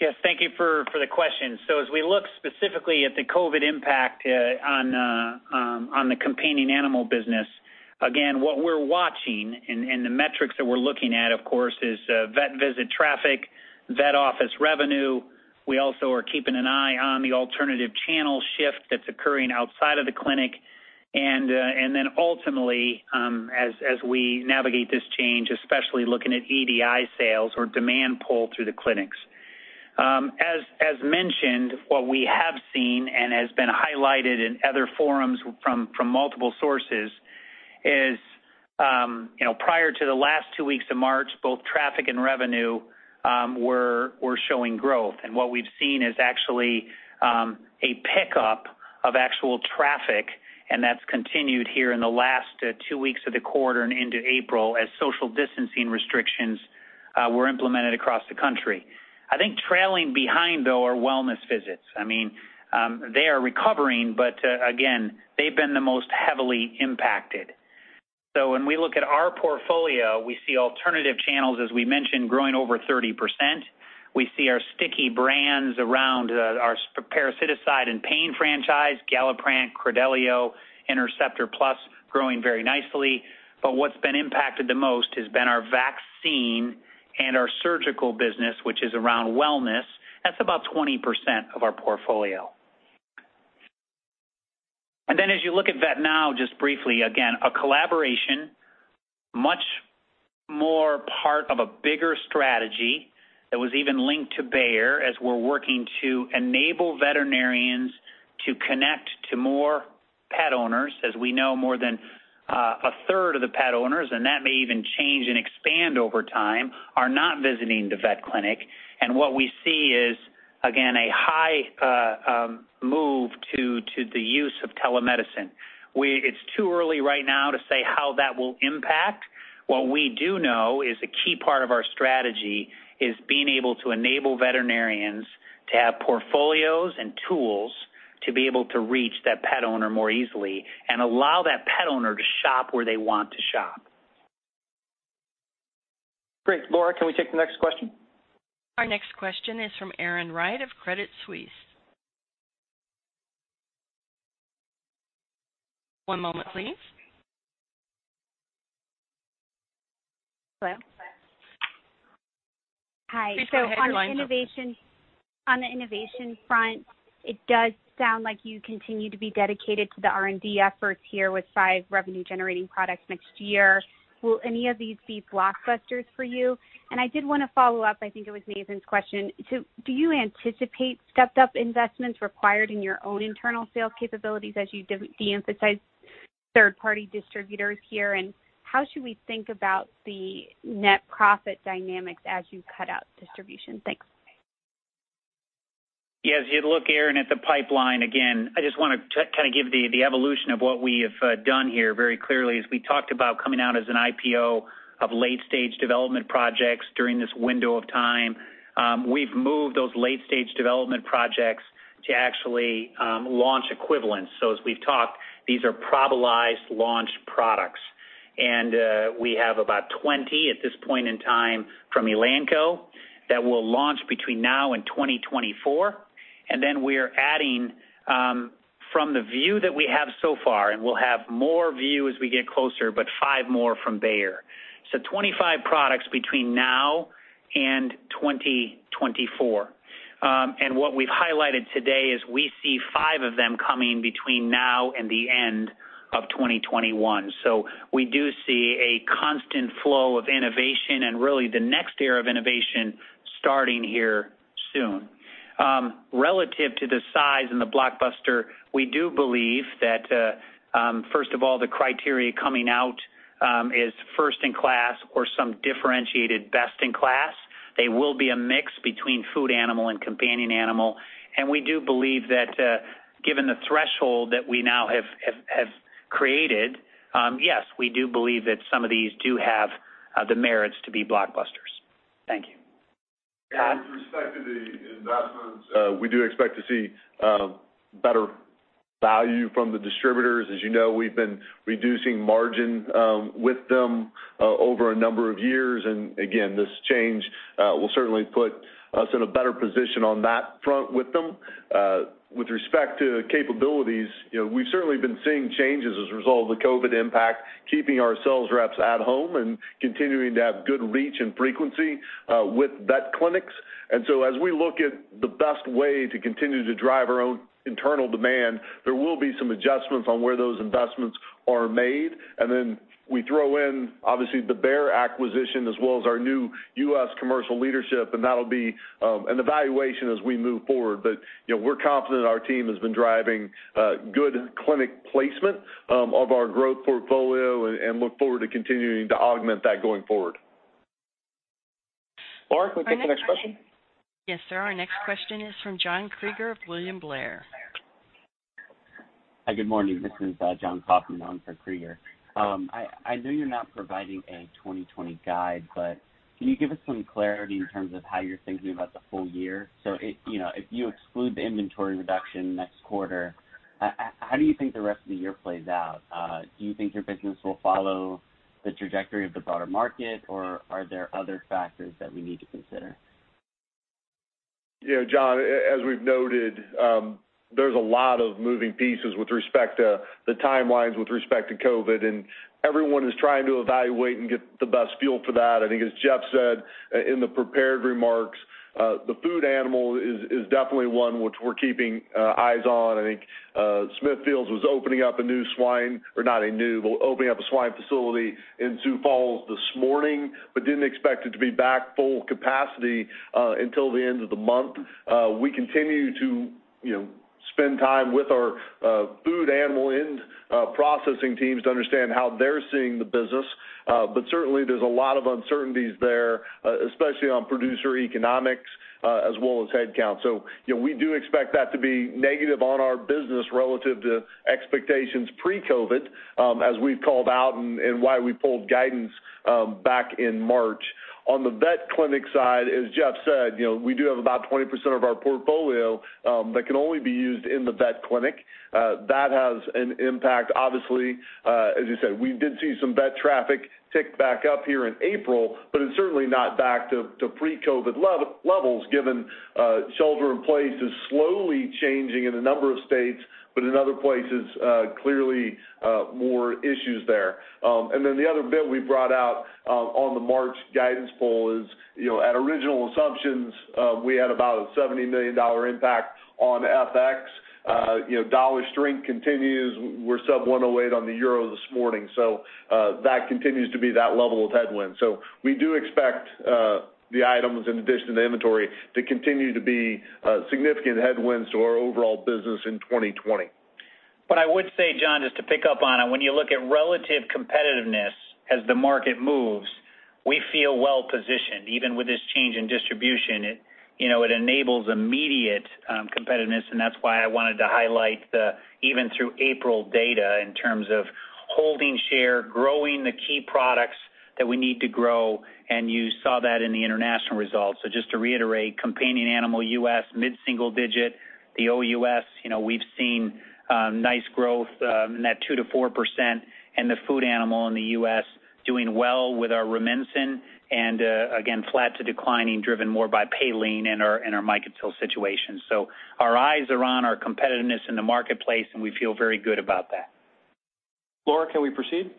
Speaker 3: Yes. Thank you for the question. So as we look specifically at the COVID impact on the companion animal business, again, what we're watching and the metrics that we're looking at, of course, is vet visit traffic, vet office revenue. We also are keeping an eye on the alternative channel shift that's occurring outside of the clinic, and then ultimately, as we navigate this change, especially looking at EDI sales or demand pull through the clinics. As mentioned, what we have seen and has been highlighted in other forums from multiple sources is prior to the last two weeks of March, both traffic and revenue were showing growth, and what we've seen is actually a pickup of actual traffic, and that's continued here in the last two weeks of the quarter and into April as social distancing restrictions were implemented across the country. I think trailing behind, though, are wellness visits. I mean, they are recovering, but again, they've been the most heavily impacted. So when we look at our portfolio, we see alternative channels, as we mentioned, growing over 30%. We see our sticky brands around our parasiticide and pain franchise, Galliprant, Credelio, Interceptor Plus growing very nicely. But what's been impacted the most has been our vaccine and our surgical business, which is around wellness. That's about 20% of our portfolio. And then as you look at VetNow just briefly, again, a collaboration, much more part of a bigger strategy that was even linked to Bayer as we're working to enable veterinarians to connect to more pet owners, as we know more than a third of the pet owners, and that may even change and expand over time, are not visiting the vet clinic. And what we see is, again, a high move to the use of telemedicine. It's too early right now to say how that will impact. What we do know is a key part of our strategy is being able to enable veterinarians to have portfolios and tools to be able to reach that pet owner more easily and allow that pet owner to shop where they want to shop. Great. Laura, can we take the next question?
Speaker 1: Our next question is from Erin Wright of Credit Suisse. One moment, please.
Speaker 8: Hello. Hi. So on the innovation front, it does sound like you continue to be dedicated to the R&D efforts here with five revenue-generating products next year. Will any of these be blockbusters for you? And I did want to follow up. I think it was Nathan's question. So do you anticipate stepped-up investments required in your own internal sales capabilities as you de-emphasize third-party distributors here? And how should we think about the net profit dynamics as you cut out distribution? Thanks.
Speaker 3: Yeah. As you look, Aaron, at the pipeline, again, I just want to kind of give the evolution of what we have done here very clearly. As we talked about coming out as an IPO of late-stage development projects during this window of time, we've moved those late-stage development projects to actually launch equivalents. So as we've talked, these are probably launched products. And we have about 20 at this point in time from Elanco that will launch between now and 2024. And then we're adding from the view that we have so far, and we'll have more view as we get closer, but five more from Bayer. So 25 products between now and 2024. And what we've highlighted today is we see five of them coming between now and the end of 2021. So we do see a constant flow of innovation and really the next era of innovation starting here soon. Relative to the size and the blockbuster, we do believe that, first of all, the criteria coming out is first-in-class or some differentiated best-in-class. They will be a mix between food animal and companion animal. And we do believe that given the threshold that we now have created, yes, we do believe that some of these do have the merits to be blockbusters. Thank you.
Speaker 4: With respect to the investments, we do expect to see better value from the distributors. As you know, we've been reducing margin with them over a number of years. And again, this change will certainly put us in a better position on that front with them. With respect to capabilities, we've certainly been seeing changes as a result of the COVID impact, keeping our sales reps at home and continuing to have good reach and frequency with vet clinics. And so as we look at the best way to continue to drive our own internal demand, there will be some adjustments on where those investments are made. And then we throw in, obviously, the Bayer acquisition as well as our new U.S. commercial leadership. And that'll be an evaluation as we move forward. But we're confident our team has been driving good clinic placement of our growth portfolio and look forward to continuing to augment that going forward. Laura, can we take the next question?
Speaker 1: Yes, sir. Our next question is from John Kreger of William Blair. Hi. Good morning. This is Jon Kauffman on for Kreger. I know you're not providing a 2020 guide, but can you give us some clarity in terms of how you're thinking about the full year? So if you exclude the inventory reduction next quarter, how do you think the rest of the year plays out? Do you think your business will follow the trajectory of the broader market, or are there other factors that we need to consider?
Speaker 2: Yeah, John, as we've noted, there's a lot of moving pieces with respect to the timelines with respect to COVID. And everyone is trying to evaluate and get the best fuel for that. I think, as Jeff said in the prepared remarks, the food animal is definitely one which we're keeping eyes on. I think Smithfield was opening up a new swine or not a new, but opening up a swine facility in Sioux Falls this morning, but didn't expect it to be back full capacity until the end of the month. We continue to spend time with our food animal and processing teams to understand how they're seeing the business. But certainly, there's a lot of uncertainties there, especially on producer economics as well as headcount. So we do expect that to be negative on our business relative to expectations pre-COVID, as we've called out and why we pulled guidance back in March. On the vet clinic side, as Jeff said, we do have about 20% of our portfolio that can only be used in the vet clinic. That has an impact, obviously. As you said, we did see some vet traffic tick back up here in April, but it's certainly not back to pre-COVID levels given shelter-in-place is slowly changing in a number of states, but in other places, clearly more issues there. And then the other bit we brought out on the March guidance call is, at original assumptions, we had about a $70 million impact on FX. Dollar strength continues. We're sub-1.08 on the euro this morning. So that continues to be that level of headwind. So we do expect the items, in addition to the inventory, to continue to be significant headwinds to our overall business in 2020.
Speaker 3: But I would say, John, just to pick up on it, when you look at relative competitiveness as the market moves, we feel well-positioned. Even with this change in distribution, it enables immediate competitiveness. And that's why I wanted to highlight the even through April data in terms of holding share, growing the key products that we need to grow. And you saw that in the international results. So just to reiterate, companion animal US, mid-single digit. The OUS, we've seen nice growth in that 2%-4%. And the food animal in the US doing well with our Rumensin and, again, flat to declining, driven more by Paylean and our Micotil situation. So our eyes are on our competitiveness in the marketplace, and we feel very good about that. Laura, can we proceed?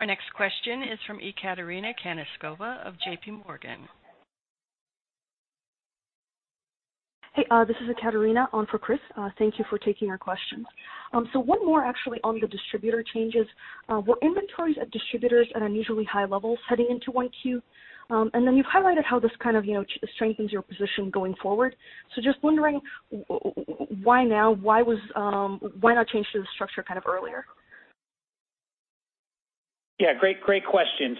Speaker 9: Our next question is from Ekaterina Knyazkova of J.P. Morgan. Hey, this is Ekaterina on for Chris. Thank you for taking our questions. So one more, actually, on the distributor changes. Were inventories at distributors at unusually high levels heading into 1Q? Then you've highlighted how this kind of strengthens your position going forward. So just wondering, why now? Why not change to the structure kind of earlier?
Speaker 3: Yeah. Great question.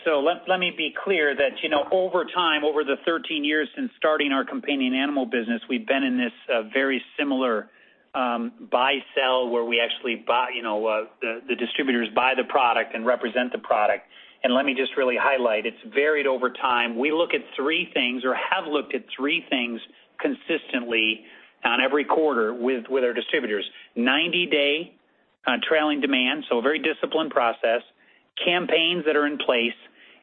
Speaker 3: Let me be clear that over time, over the 13 years since starting our companion animal business, we've been in this very similar buy-sell where actually the distributors buy the product and represent the product. And let me just really highlight, it's varied over time. We look at three things or have looked at three things consistently on every quarter with our distributors: 90-day trailing demand, so a very disciplined process, campaigns that are in place,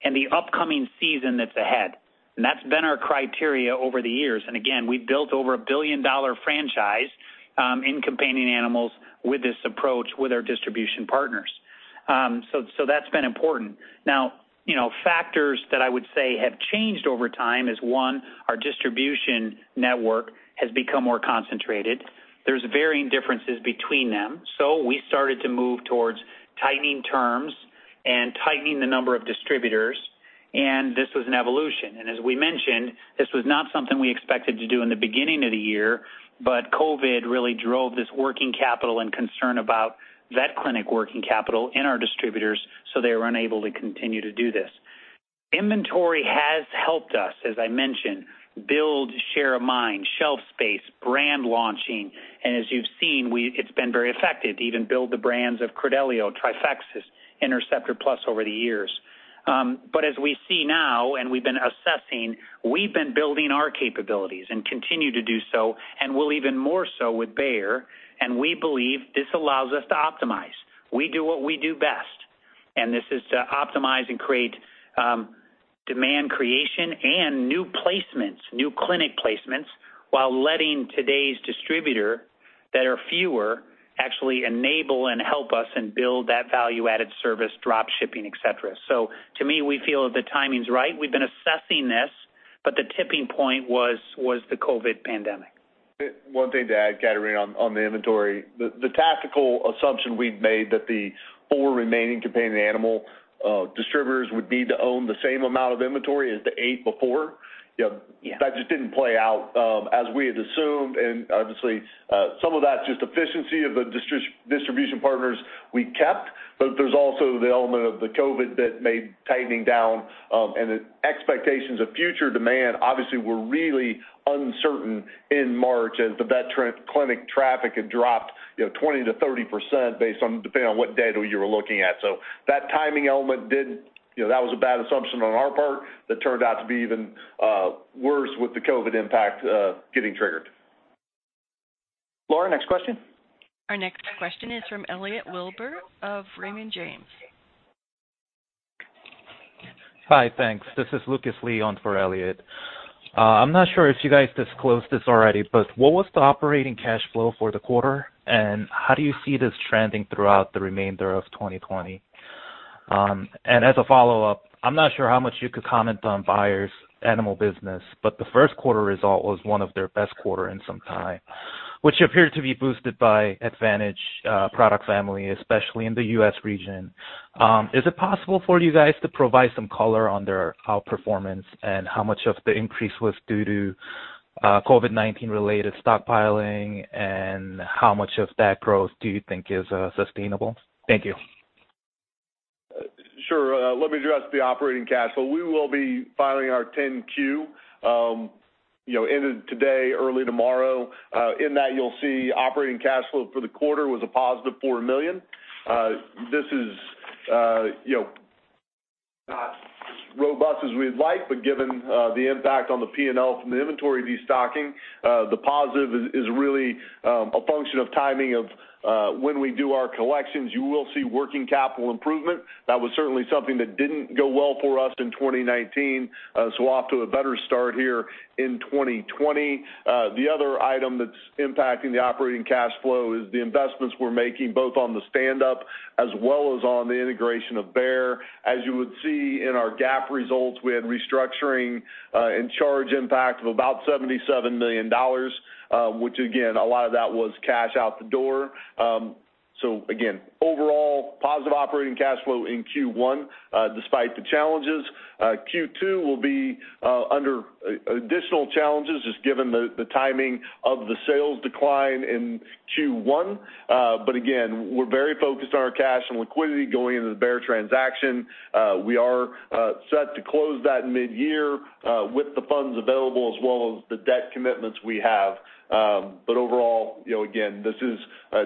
Speaker 3: and the upcoming season that's ahead. And that's been our criteria over the years. And again, we've built over a billion-dollar franchise in companion animals with this approach with our distribution partners. So that's been important. Now, factors that I would say have changed over time is, one, our distribution network has become more concentrated. There's varying differences between them, so we started to move towards tightening terms and tightening the number of distributors, and this was an evolution, and as we mentioned, this was not something we expected to do in the beginning of the year, but COVID really drove this working capital and concern about vet clinic working capital in our distributors, so they were unable to continue to do this. Inventory has helped us, as I mentioned, build share of mind, shelf space, brand launching, and as you've seen, it's been very effective to even build the brands of Credelio, Trifexis, Interceptor Plus over the years, but as we see now, and we've been assessing, we've been building our capabilities and continue to do so, and we'll even more so with Bayer. And we believe this allows us to optimize. We do what we do best. And this is to optimize and create demand creation and new placements, new clinic placements, while letting today's distributor that are fewer actually enable and help us and build that value-added service, drop shipping, etc. So to me, we feel that the timing's right. We've been assessing this, but the tipping point was the COVID pandemic.
Speaker 4: One thing to add, Ekaterina, on the inventory, the tactical assumption we'd made that the four remaining companion animal distributors would need to own the same amount of inventory as the eight before, that just didn't play out as we had assumed. And obviously, some of that's just efficiency of the distribution partners we kept. But there's also the element of the COVID that made tightening down, and the expectations of future demand, obviously, were really uncertain in March as the vet clinic traffic had dropped 20%-30% depending on what data you were looking at. So that timing element didn't. That was a bad assumption on our part that turned out to be even worse with the COVID impact getting triggered.
Speaker 3: Laura, next question.
Speaker 1: Our next question is from Elliot Wilbur of Raymond James. Hi. Thanks. This is Lucas Lee on for Elliot. I'm not sure if you guys disclosed this already, but what was the operating cash flow for the quarter, and how do you see this trending throughout the remainder of 2020? As a follow-up, I'm not sure how much you could comment on Bayer's animal business, but the first quarter result was one of their best quarters in some time, which appeared to be boosted by Advantage product family, especially in the U.S. region. Is it possible for you guys to provide some color on their outperformance and how much of the increase was due to COVID-19-related stockpiling, and how much of that growth do you think is sustainable? Thank you.
Speaker 4: Sure. Let me address the operating cash flow. We will be filing our 10-Q end of today, early tomorrow. In that, you'll see operating cash flow for the quarter was a positive $4 million. This is not as robust as we'd like, but given the impact on the P&L from the inventory destocking, the positive is really a function of timing of when we do our collections. You will see working capital improvement. That was certainly something that didn't go well for us in 2019, so off to a better start here in 2020. The other item that's impacting the operating cash flow is the investments we're making both on the stand-up as well as on the integration of Bayer. As you would see in our GAAP results, we had restructuring and charge impact of about $77 million, which, again, a lot of that was cash out the door. So again, overall, positive operating cash flow in Q1 despite the challenges. Q2 will be under additional challenges just given the timing of the sales decline in Q1. But again, we're very focused on our cash and liquidity going into the Bayer transaction. We are set to close that mid-year with the funds available as well as the debt commitments we have. But overall, again, this is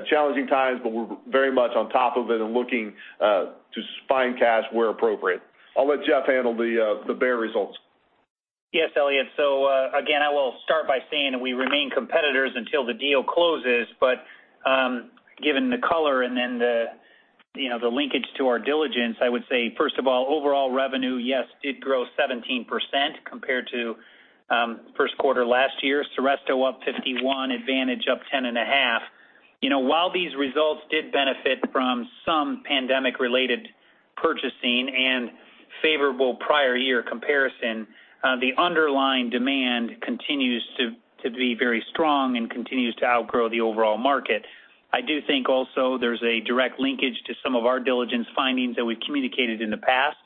Speaker 4: challenging times, but we're very much on top of it and looking to find cash where appropriate. I'll let Jeff handle the Bayer results.
Speaker 3: Yes, Elliot. So again, I will start by saying that we remain competitors until the deal closes. But given the color and then the linkage to our diligence, I would say, first of all, overall revenue, yes, did grow 17% compared to first quarter last year. Seresto up 51%, Advantage up 10.5%. While these results did benefit from some pandemic-related purchasing and favorable prior year comparison, the underlying demand continues to be very strong and continues to outgrow the overall market. I do think also there's a direct linkage to some of our diligence findings that we've communicated in the past.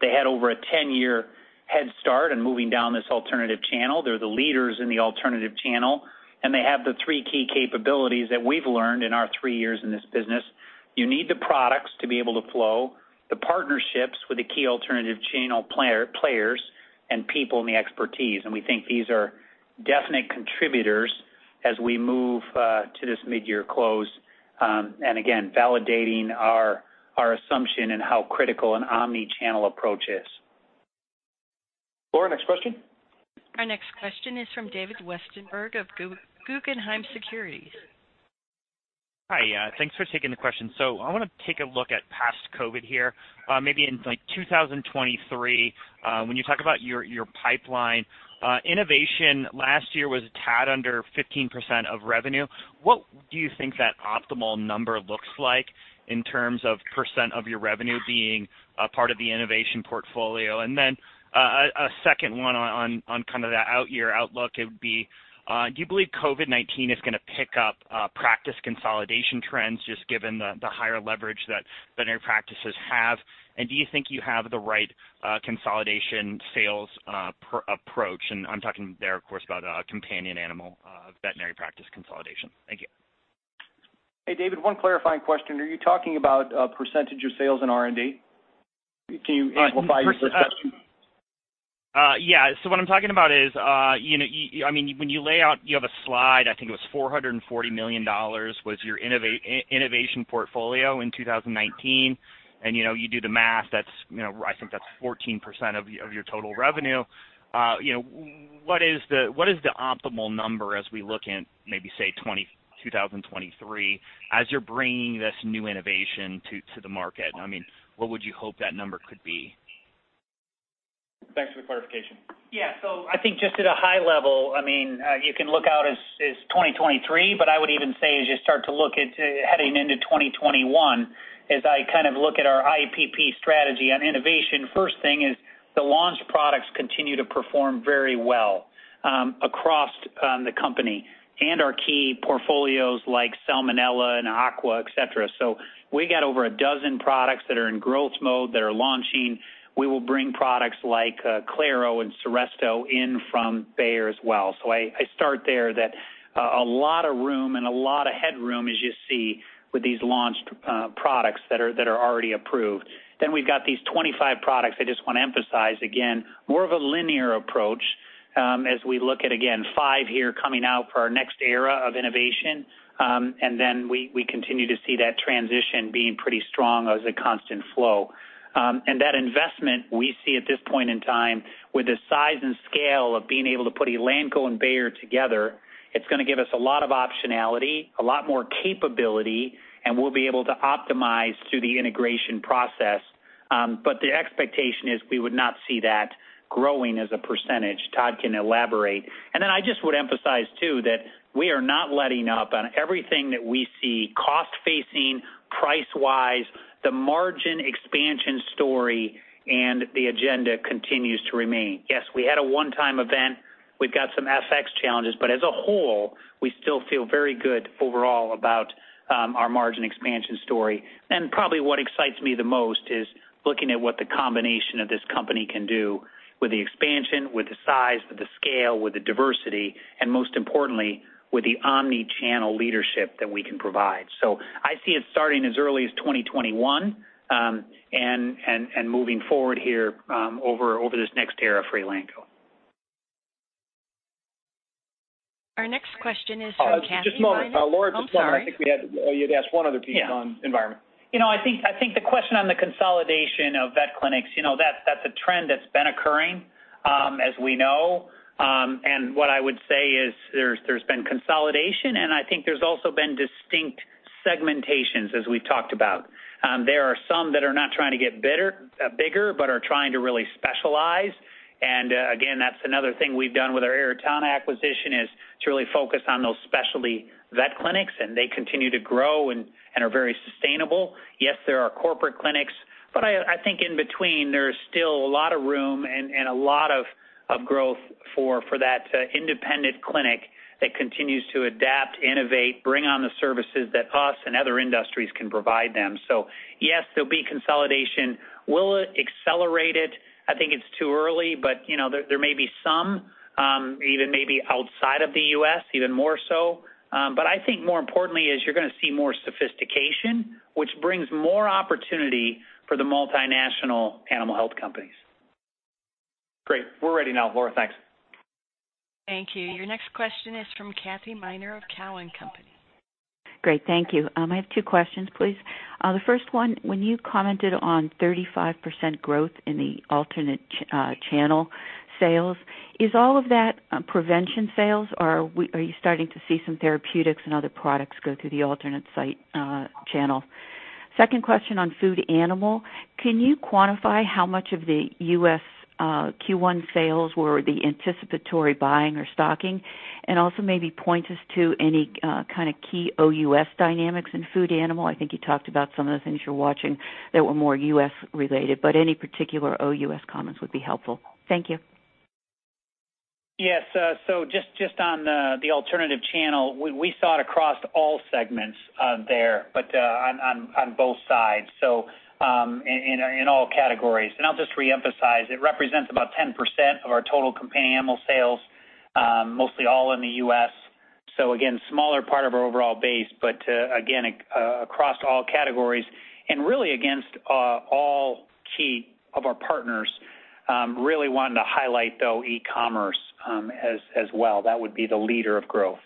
Speaker 3: They had over a 10-year head start in moving down this alternative channel. They're the leaders in the alternative channel. And they have the three key capabilities that we've learned in our three years in this business. You need the products to be able to flow, the partnerships with the key alternative channel players and people and the expertise. And we think these are definite contributors as we move to this mid-year close and, again, validating our assumption and how critical an omnichannel approach is.
Speaker 4: Laura, next question.
Speaker 1: Our next question is from David Westenberg of Guggenheim Securities.
Speaker 10: Hi. Thanks for taking the question. So I want to take a look at post-COVID here. Maybe in 2023, when you talk about your pipeline, innovation last year was a tad under 15% of revenue. What do you think that optimal number looks like in terms of % of your revenue being part of the innovation portfolio? And then a second one on kind of that out-year outlook, it would be, do you believe COVID-19 is going to pick up practice consolidation trends just given the higher leverage that veterinary practices have? And do you think you have the right consolidation sales approach? And I'm talking there, of course, about companion animal veterinary practice consolidation. Thank you.
Speaker 3: Hey, David, one clarifying question. Are you talking about percentage of sales in R&D? Can you amplify your question?
Speaker 10: Yeah. So what I'm talking about is, I mean, when you lay out, you have a slide, I think it was $440 million was your innovation portfolio in 2019. And you do the math, I think that's 14% of your total revenue. What is the optimal number as we look at maybe, say, 2023 as you're bringing this new innovation to the market? I mean, what would you hope that number could be?
Speaker 3: Thanks for the clarification. Yeah. So I think just at a high level, I mean, you can look out to 2023, but I would even say as you start to look at heading into 2021, as I kind of look at our IPP strategy on innovation. First thing is the launch products continue to perform very well across the company and our key portfolios like Salmonella and Aqua, etc. So we got over a dozen products that are in growth mode that are launching. We will bring products like Claro and Seresto in from Bayer as well. So I start there that there's a lot of room and a lot of headroom as you see with these launched products that are already approved. Then we've got these 25 products. I just want to emphasize again, more of a linear approach as we look at, again, five here coming out for our next era of innovation. And then we continue to see that transition being pretty strong as a constant flow. And that investment we see at this point in time with the size and scale of being able to put Elanco and Bayer together, it's going to give us a lot of optionality, a lot more capability, and we'll be able to optimize through the integration process. But the expectation is we would not see that growing as a percentage. Todd can elaborate. And then I just would emphasize too that we are not letting up on everything that we see cost savings, price-wise. The margin expansion story and the agenda continues to remain. Yes, we had a one-time event. We've got some FX challenges. But as a whole, we still feel very good overall about our margin expansion story. And probably what excites me the most is looking at what the combination of this company can do with the expansion, with the size, with the scale, with the diversity, and most importantly, with the omnichannel leadership that we can provide. So I see it starting as early as 2021 and moving forward here over this next era for Elanco.
Speaker 1: Our next question is from Ekaterina.
Speaker 3: Just a moment. Laura, just a moment. I think we had. Oh, you had to ask one other piece on environment. I think the question on the consolidation of vet clinics. That's a trend that's been occurring as we know. And what I would say is there's been consolidation, and I think there's also been distinct segmentations as we've talked about. There are some that are not trying to get bigger, but are trying to really specialize, and again, that's another thing we've done with our Aratana acquisition is to really focus on those specialty vet clinics, and they continue to grow and are very sustainable. Yes, there are corporate clinics, but I think in between, there's still a lot of room and a lot of growth for that independent clinic that continues to adapt, innovate, bring on the services that us and other industries can provide them. So yes, there'll be consolidation. Will it accelerate it? I think it's too early, but there may be some, even maybe outside of the U.S., even more so, but I think more importantly is you're going to see more sophistication, which brings more opportunity for the multinational animal health companies. Great. We're ready now. Laura, thanks.
Speaker 1: Thank you. Your next question is from Kathy Miner of Cowen Company. Great.
Speaker 11: Thank you. I have two questions, please. The first one, when you commented on 35% growth in the alternative channel sales, is all of that prevention sales, or are you starting to see some therapeutics and other products go through the alternative site channel? Second question on food animal. Can you quantify how much of the U.S. Q1 sales were the anticipatory buying or stocking? And also maybe point us to any kind of key OUS dynamics in food animal. I think you talked about some of the things you're watching that were more U.S.-related, but any particular OUS comments would be helpful. Thank you.
Speaker 3: Yes. So just on the alternative channel, we saw it across all segments there, but on both sides, so in all categories, and I'll just reemphasize. It represents about 10% of our total companion animal sales, mostly all in the U.S. So again, smaller part of our overall base, but again, across all categories. And really against all key of our partners, really wanting to highlight though e-commerce as well. That would be the leader of growth.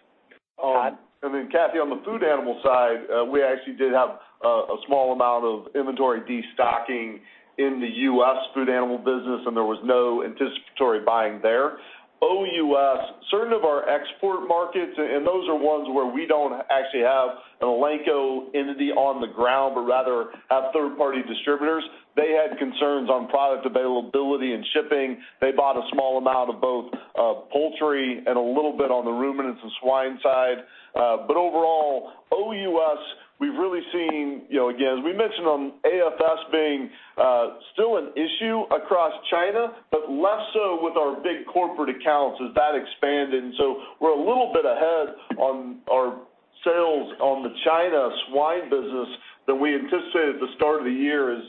Speaker 4: I mean, Kathy, on the food animal side, we actually did have a small amount of inventory destocking in the U.S. food animal business, and there was no anticipatory buying there. OUS, certain of our export markets, and those are ones where we don't actually have an Elanco entity on the ground, but rather have third-party distributors. They had concerns on product availability and shipping. They bought a small amount of both poultry and a little bit on the ruminants and swine side. But overall, OUS, we've really seen, again, as we mentioned on ASF being still an issue across China, but less so with our big corporate accounts as that expanded, and so we're a little bit ahead on our sales on the China swine business that we anticipated at the start of the year as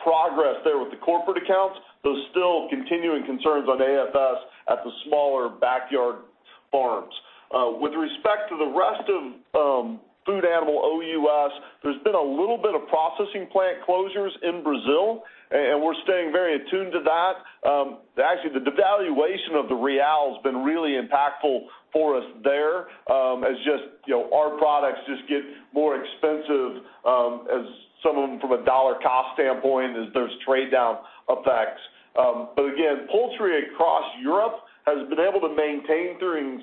Speaker 4: progress there with the corporate accounts, but still continuing concerns on ASF at the smaller backyard farms. With respect to the rest of food animal OUS, there's been a little bit of processing plant closures in Brazil, and we're staying very attuned to that. Actually, the devaluation of the real has been really impactful for us there as just our products just get more expensive as some of them from a dollar cost standpoint as there's trade-down effects, but again, poultry across Europe has been able to maintain through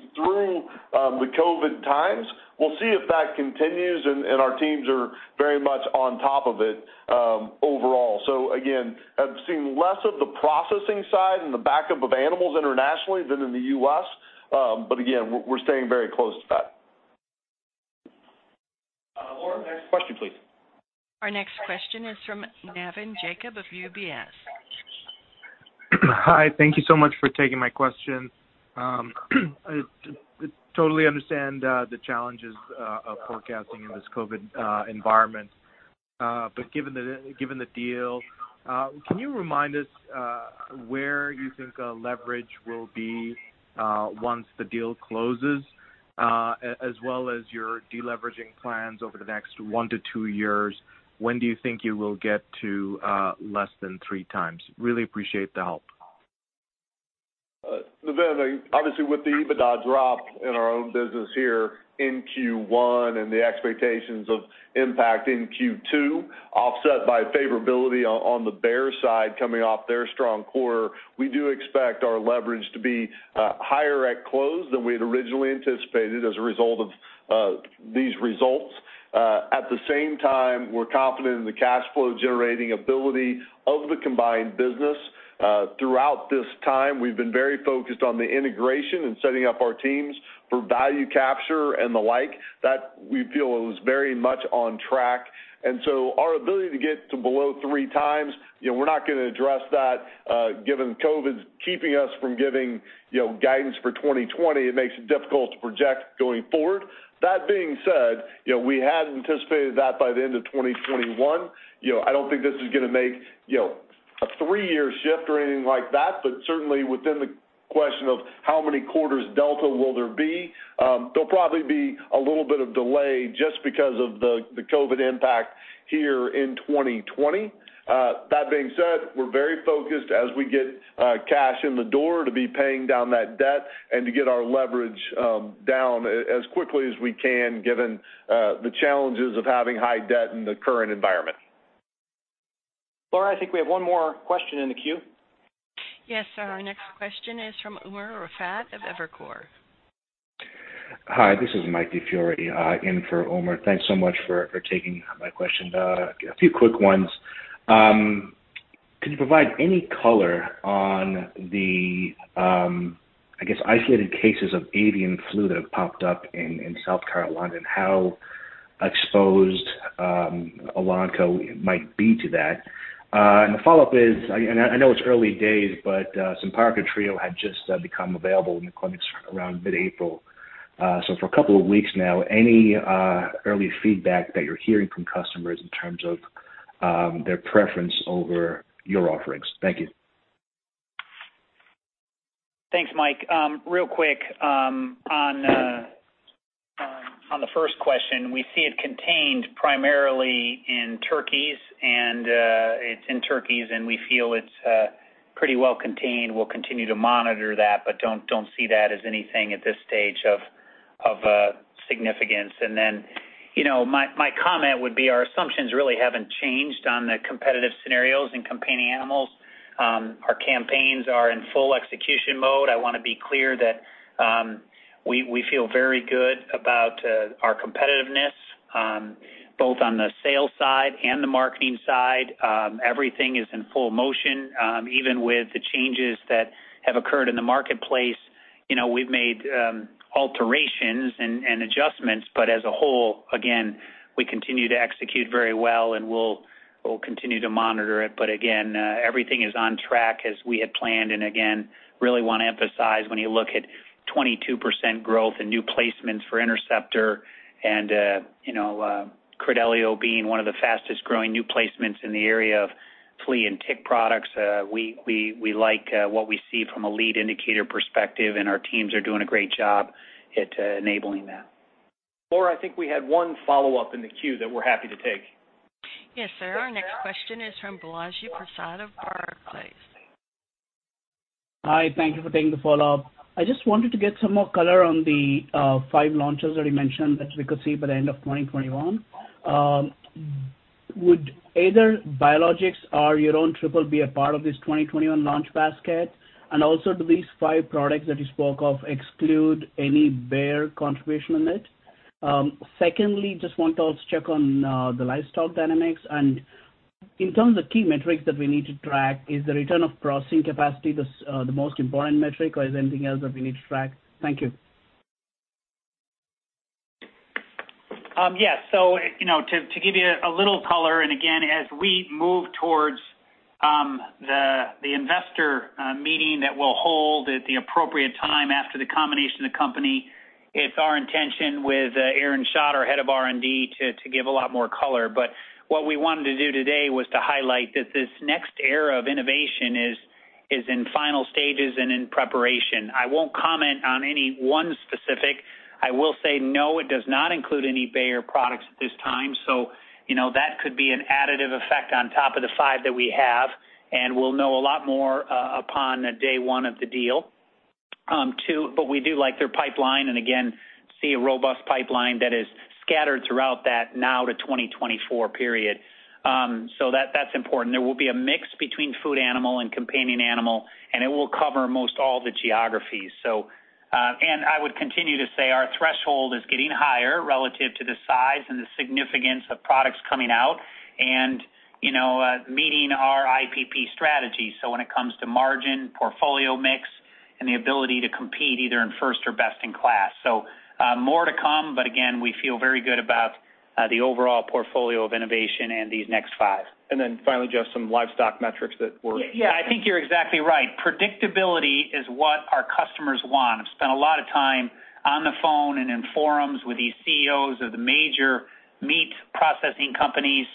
Speaker 4: the COVID times. We'll see if that continues, and our teams are very much on top of it overall. So again, I've seen less of the processing side and the backup of animals internationally than in the U.S. But again, we're staying very close to that. Laura, next question, please.
Speaker 1: Our next question is from Navin Jacob of UBS.
Speaker 12: Hi. Thank you so much for taking my question. I totally understand the challenges of forecasting in this COVID environment. But given the deal, can you remind us where you think leverage will be once the deal closes, as well as your deleveraging plans over the next one to two years? When do you think you will get to less than three times? Really appreciate the help.
Speaker 4: Obviously, with the EBITDA drop in our own business here in Q1 and the expectations of impact in Q2 offset by favorability on the Bayer side coming off their strong quarter, we do expect our leverage to be higher at close than we had originally anticipated as a result of these results. At the same time, we're confident in the cash flow generating ability of the combined business. Throughout this time, we've been very focused on the integration and setting up our teams for value capture and the like. We feel it was very much on track. And so our ability to get to below three times, we're not going to address that given COVID's keeping us from giving guidance for 2020. It makes it difficult to project going forward. That being said, we had anticipated that by the end of 2021. I don't think this is going to make a three-year shift or anything like that, but certainly within the question of how many quarters delta will there be. There'll probably be a little bit of delay just because of the COVID impact here in 2020. That being said, we're very focused as we get cash in the door to be paying down that debt and to get our leverage down as quickly as we can given the challenges of having high debt in the current environment.
Speaker 3: Laura, I think we have one more question in the queue.
Speaker 1: Yes, sir. Our next question is from Umer Raffat of Evercore. Hi. This is Mike DiFiore in for Umer. Thanks so much for taking my question. A few quick ones. Can you provide any color on the, I guess, isolated cases of avian flu that have popped up in South Carolina and how exposed Elanco might be to that? And the follow-up is, and I know it's early days, but Simparica Trio had just become available in the clinics around mid-April. So for a couple of weeks now, any early feedback that you're hearing from customers in terms of their preference over your offerings? Thank you.
Speaker 3: Thanks, Mike. Real quick on the first question, we see it contained primarily in turkeys, and it's in turkeys, and we feel it's pretty well contained. We'll continue to monitor that, but don't see that as anything at this stage of significance. And then my comment would be our assumptions really haven't changed on the competitive scenarios in companion animals. Our campaigns are in full execution mode. I want to be clear that we feel very good about our competitiveness, both on the sales side and the marketing side. Everything is in full motion. Even with the changes that have occurred in the marketplace, we've made alterations and adjustments, but as a whole, again, we continue to execute very well, and we'll continue to monitor it, but again, everything is on track as we had planned, and again, really want to emphasize when you look at 22% growth and new placements for Interceptor and Credelio being one of the fastest-growing new placements in the area of flea and tick products, we like what we see from a lead indicator perspective, and our teams are doing a great job at enabling that. Laura, I think we had one follow-up in the queue that we're happy to take. Yes, sir. Our next question is from Balaji Prasad of Barclays.
Speaker 7: Hi. Thank you for taking the follow-up. I just wanted to get some more color on the five launches that you mentioned that we could see by the end of 2021. Would either biologics or your own triple be a part of this 2021 launch basket? And also, do these five products that you spoke of exclude any Bayer contribution in it? Secondly, just want to also check on the livestock dynamics. And in terms of the key metrics that we need to track, is the return of processing capacity the most important metric, or is there anything else that we need to track? Thank you. Yes.
Speaker 3: To give you a little color, and again, as we move towards the investor meeting that we'll hold at the appropriate time after the combination of the company, it's our intention with Aaron Schacht, our head of R&D, to give a lot more color. But what we wanted to do today was to highlight that this next era of innovation is in final stages and in preparation. I won't comment on any one specific. I will say, no, it does not include any Bayer products at this time. So that could be an additive effect on top of the five that we have, and we'll know a lot more upon day one of the deal. But we do like their pipeline, and again, see a robust pipeline that is scattered throughout that now to 2024 period. So that's important. There will be a mix between food animal and companion animal, and it will cover most all the geographies, and I would continue to say our threshold is getting higher relative to the size and the significance of products coming out and meeting our IPP strategy. So when it comes to margin, portfolio mix, and the ability to compete either in first or best in class, so more to come, but again, we feel very good about the overall portfolio of innovation and these next five, and then finally, just some livestock metrics. Yeah, I think you're exactly right. Predictability is what our customers want. I've spent a lot of time on the phone and in forums with these CEOs of the major meat processing companies,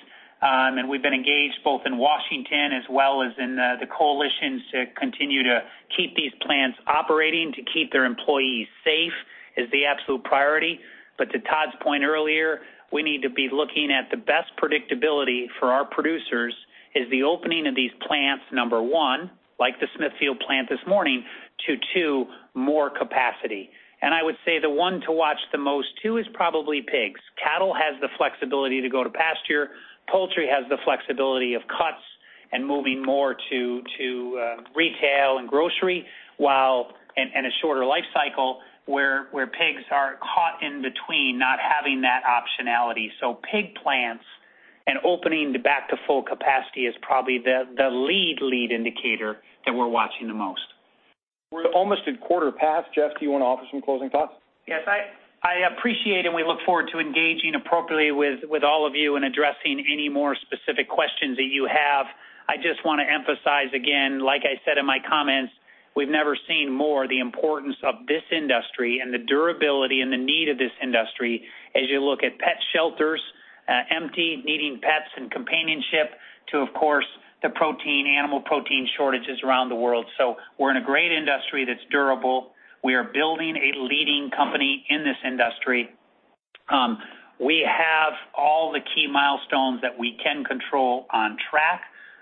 Speaker 3: and we've been engaged both in Washington as well as in the coalitions to continue to keep these plants operating, to keep their employees safe is the absolute priority, but to Todd's point earlier, we need to be looking at the best predictability for our producers is the opening of these plants, number one, like the Smithfield plant this morning, to add more capacity, and I would say the one to watch the most too is probably pigs. Cattle has the flexibility to go to pasture. Poultry has the flexibility of cuts and moving more to retail and grocery and a shorter life cycle where pigs are caught in between not having that optionality. So, pig plants opening back to full capacity is probably the lead indicator that we're watching the most. We're almost at quarter past. Jeff, do you want to offer some closing thoughts? Yes. I appreciate, and we look forward to engaging appropriately with all of you and addressing any more specific questions that you have. I just want to emphasize again, like I said in my comments, we've never seen more the importance of this industry and the durability and the need of this industry as you look at pet shelters empty, needing pets and companionship too, of course, the protein, animal protein shortages around the world, so we're in a great industry that's durable. We are building a leading company in this industry. We have all the key milestones that we can control on track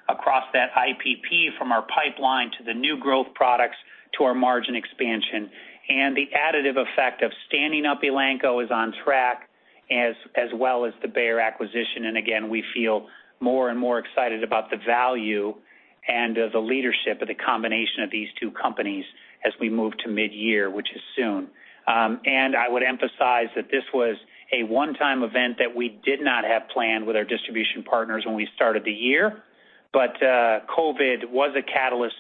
Speaker 3: across that IPP from our pipeline to the new growth products to our margin expansion. And the additive effect of standing up Elanco is on track as well as the Bayer acquisition. And again, we feel more and more excited about the value and the leadership of the combination of these two companies as we move to mid-year, which is soon. And I would emphasize that this was a one-time event that we did not have planned with our distribution partners when we started the year, but COVID was a catalyst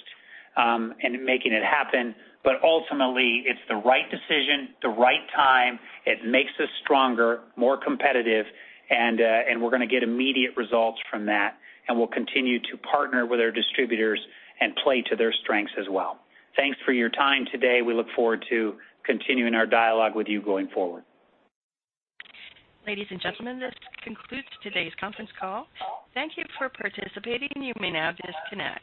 Speaker 3: in making it happen. But ultimately, it's the right decision, the right time. It makes us stronger, more competitive, and we're going to get immediate results from that. And we'll continue to partner with our distributors and play to their strengths as well. Thanks for your time today. We look forward to continuing our dialogue with you going forward.
Speaker 1: Ladies and gentlemen, this concludes today's conference call. Thank you for participating. You may now disconnect.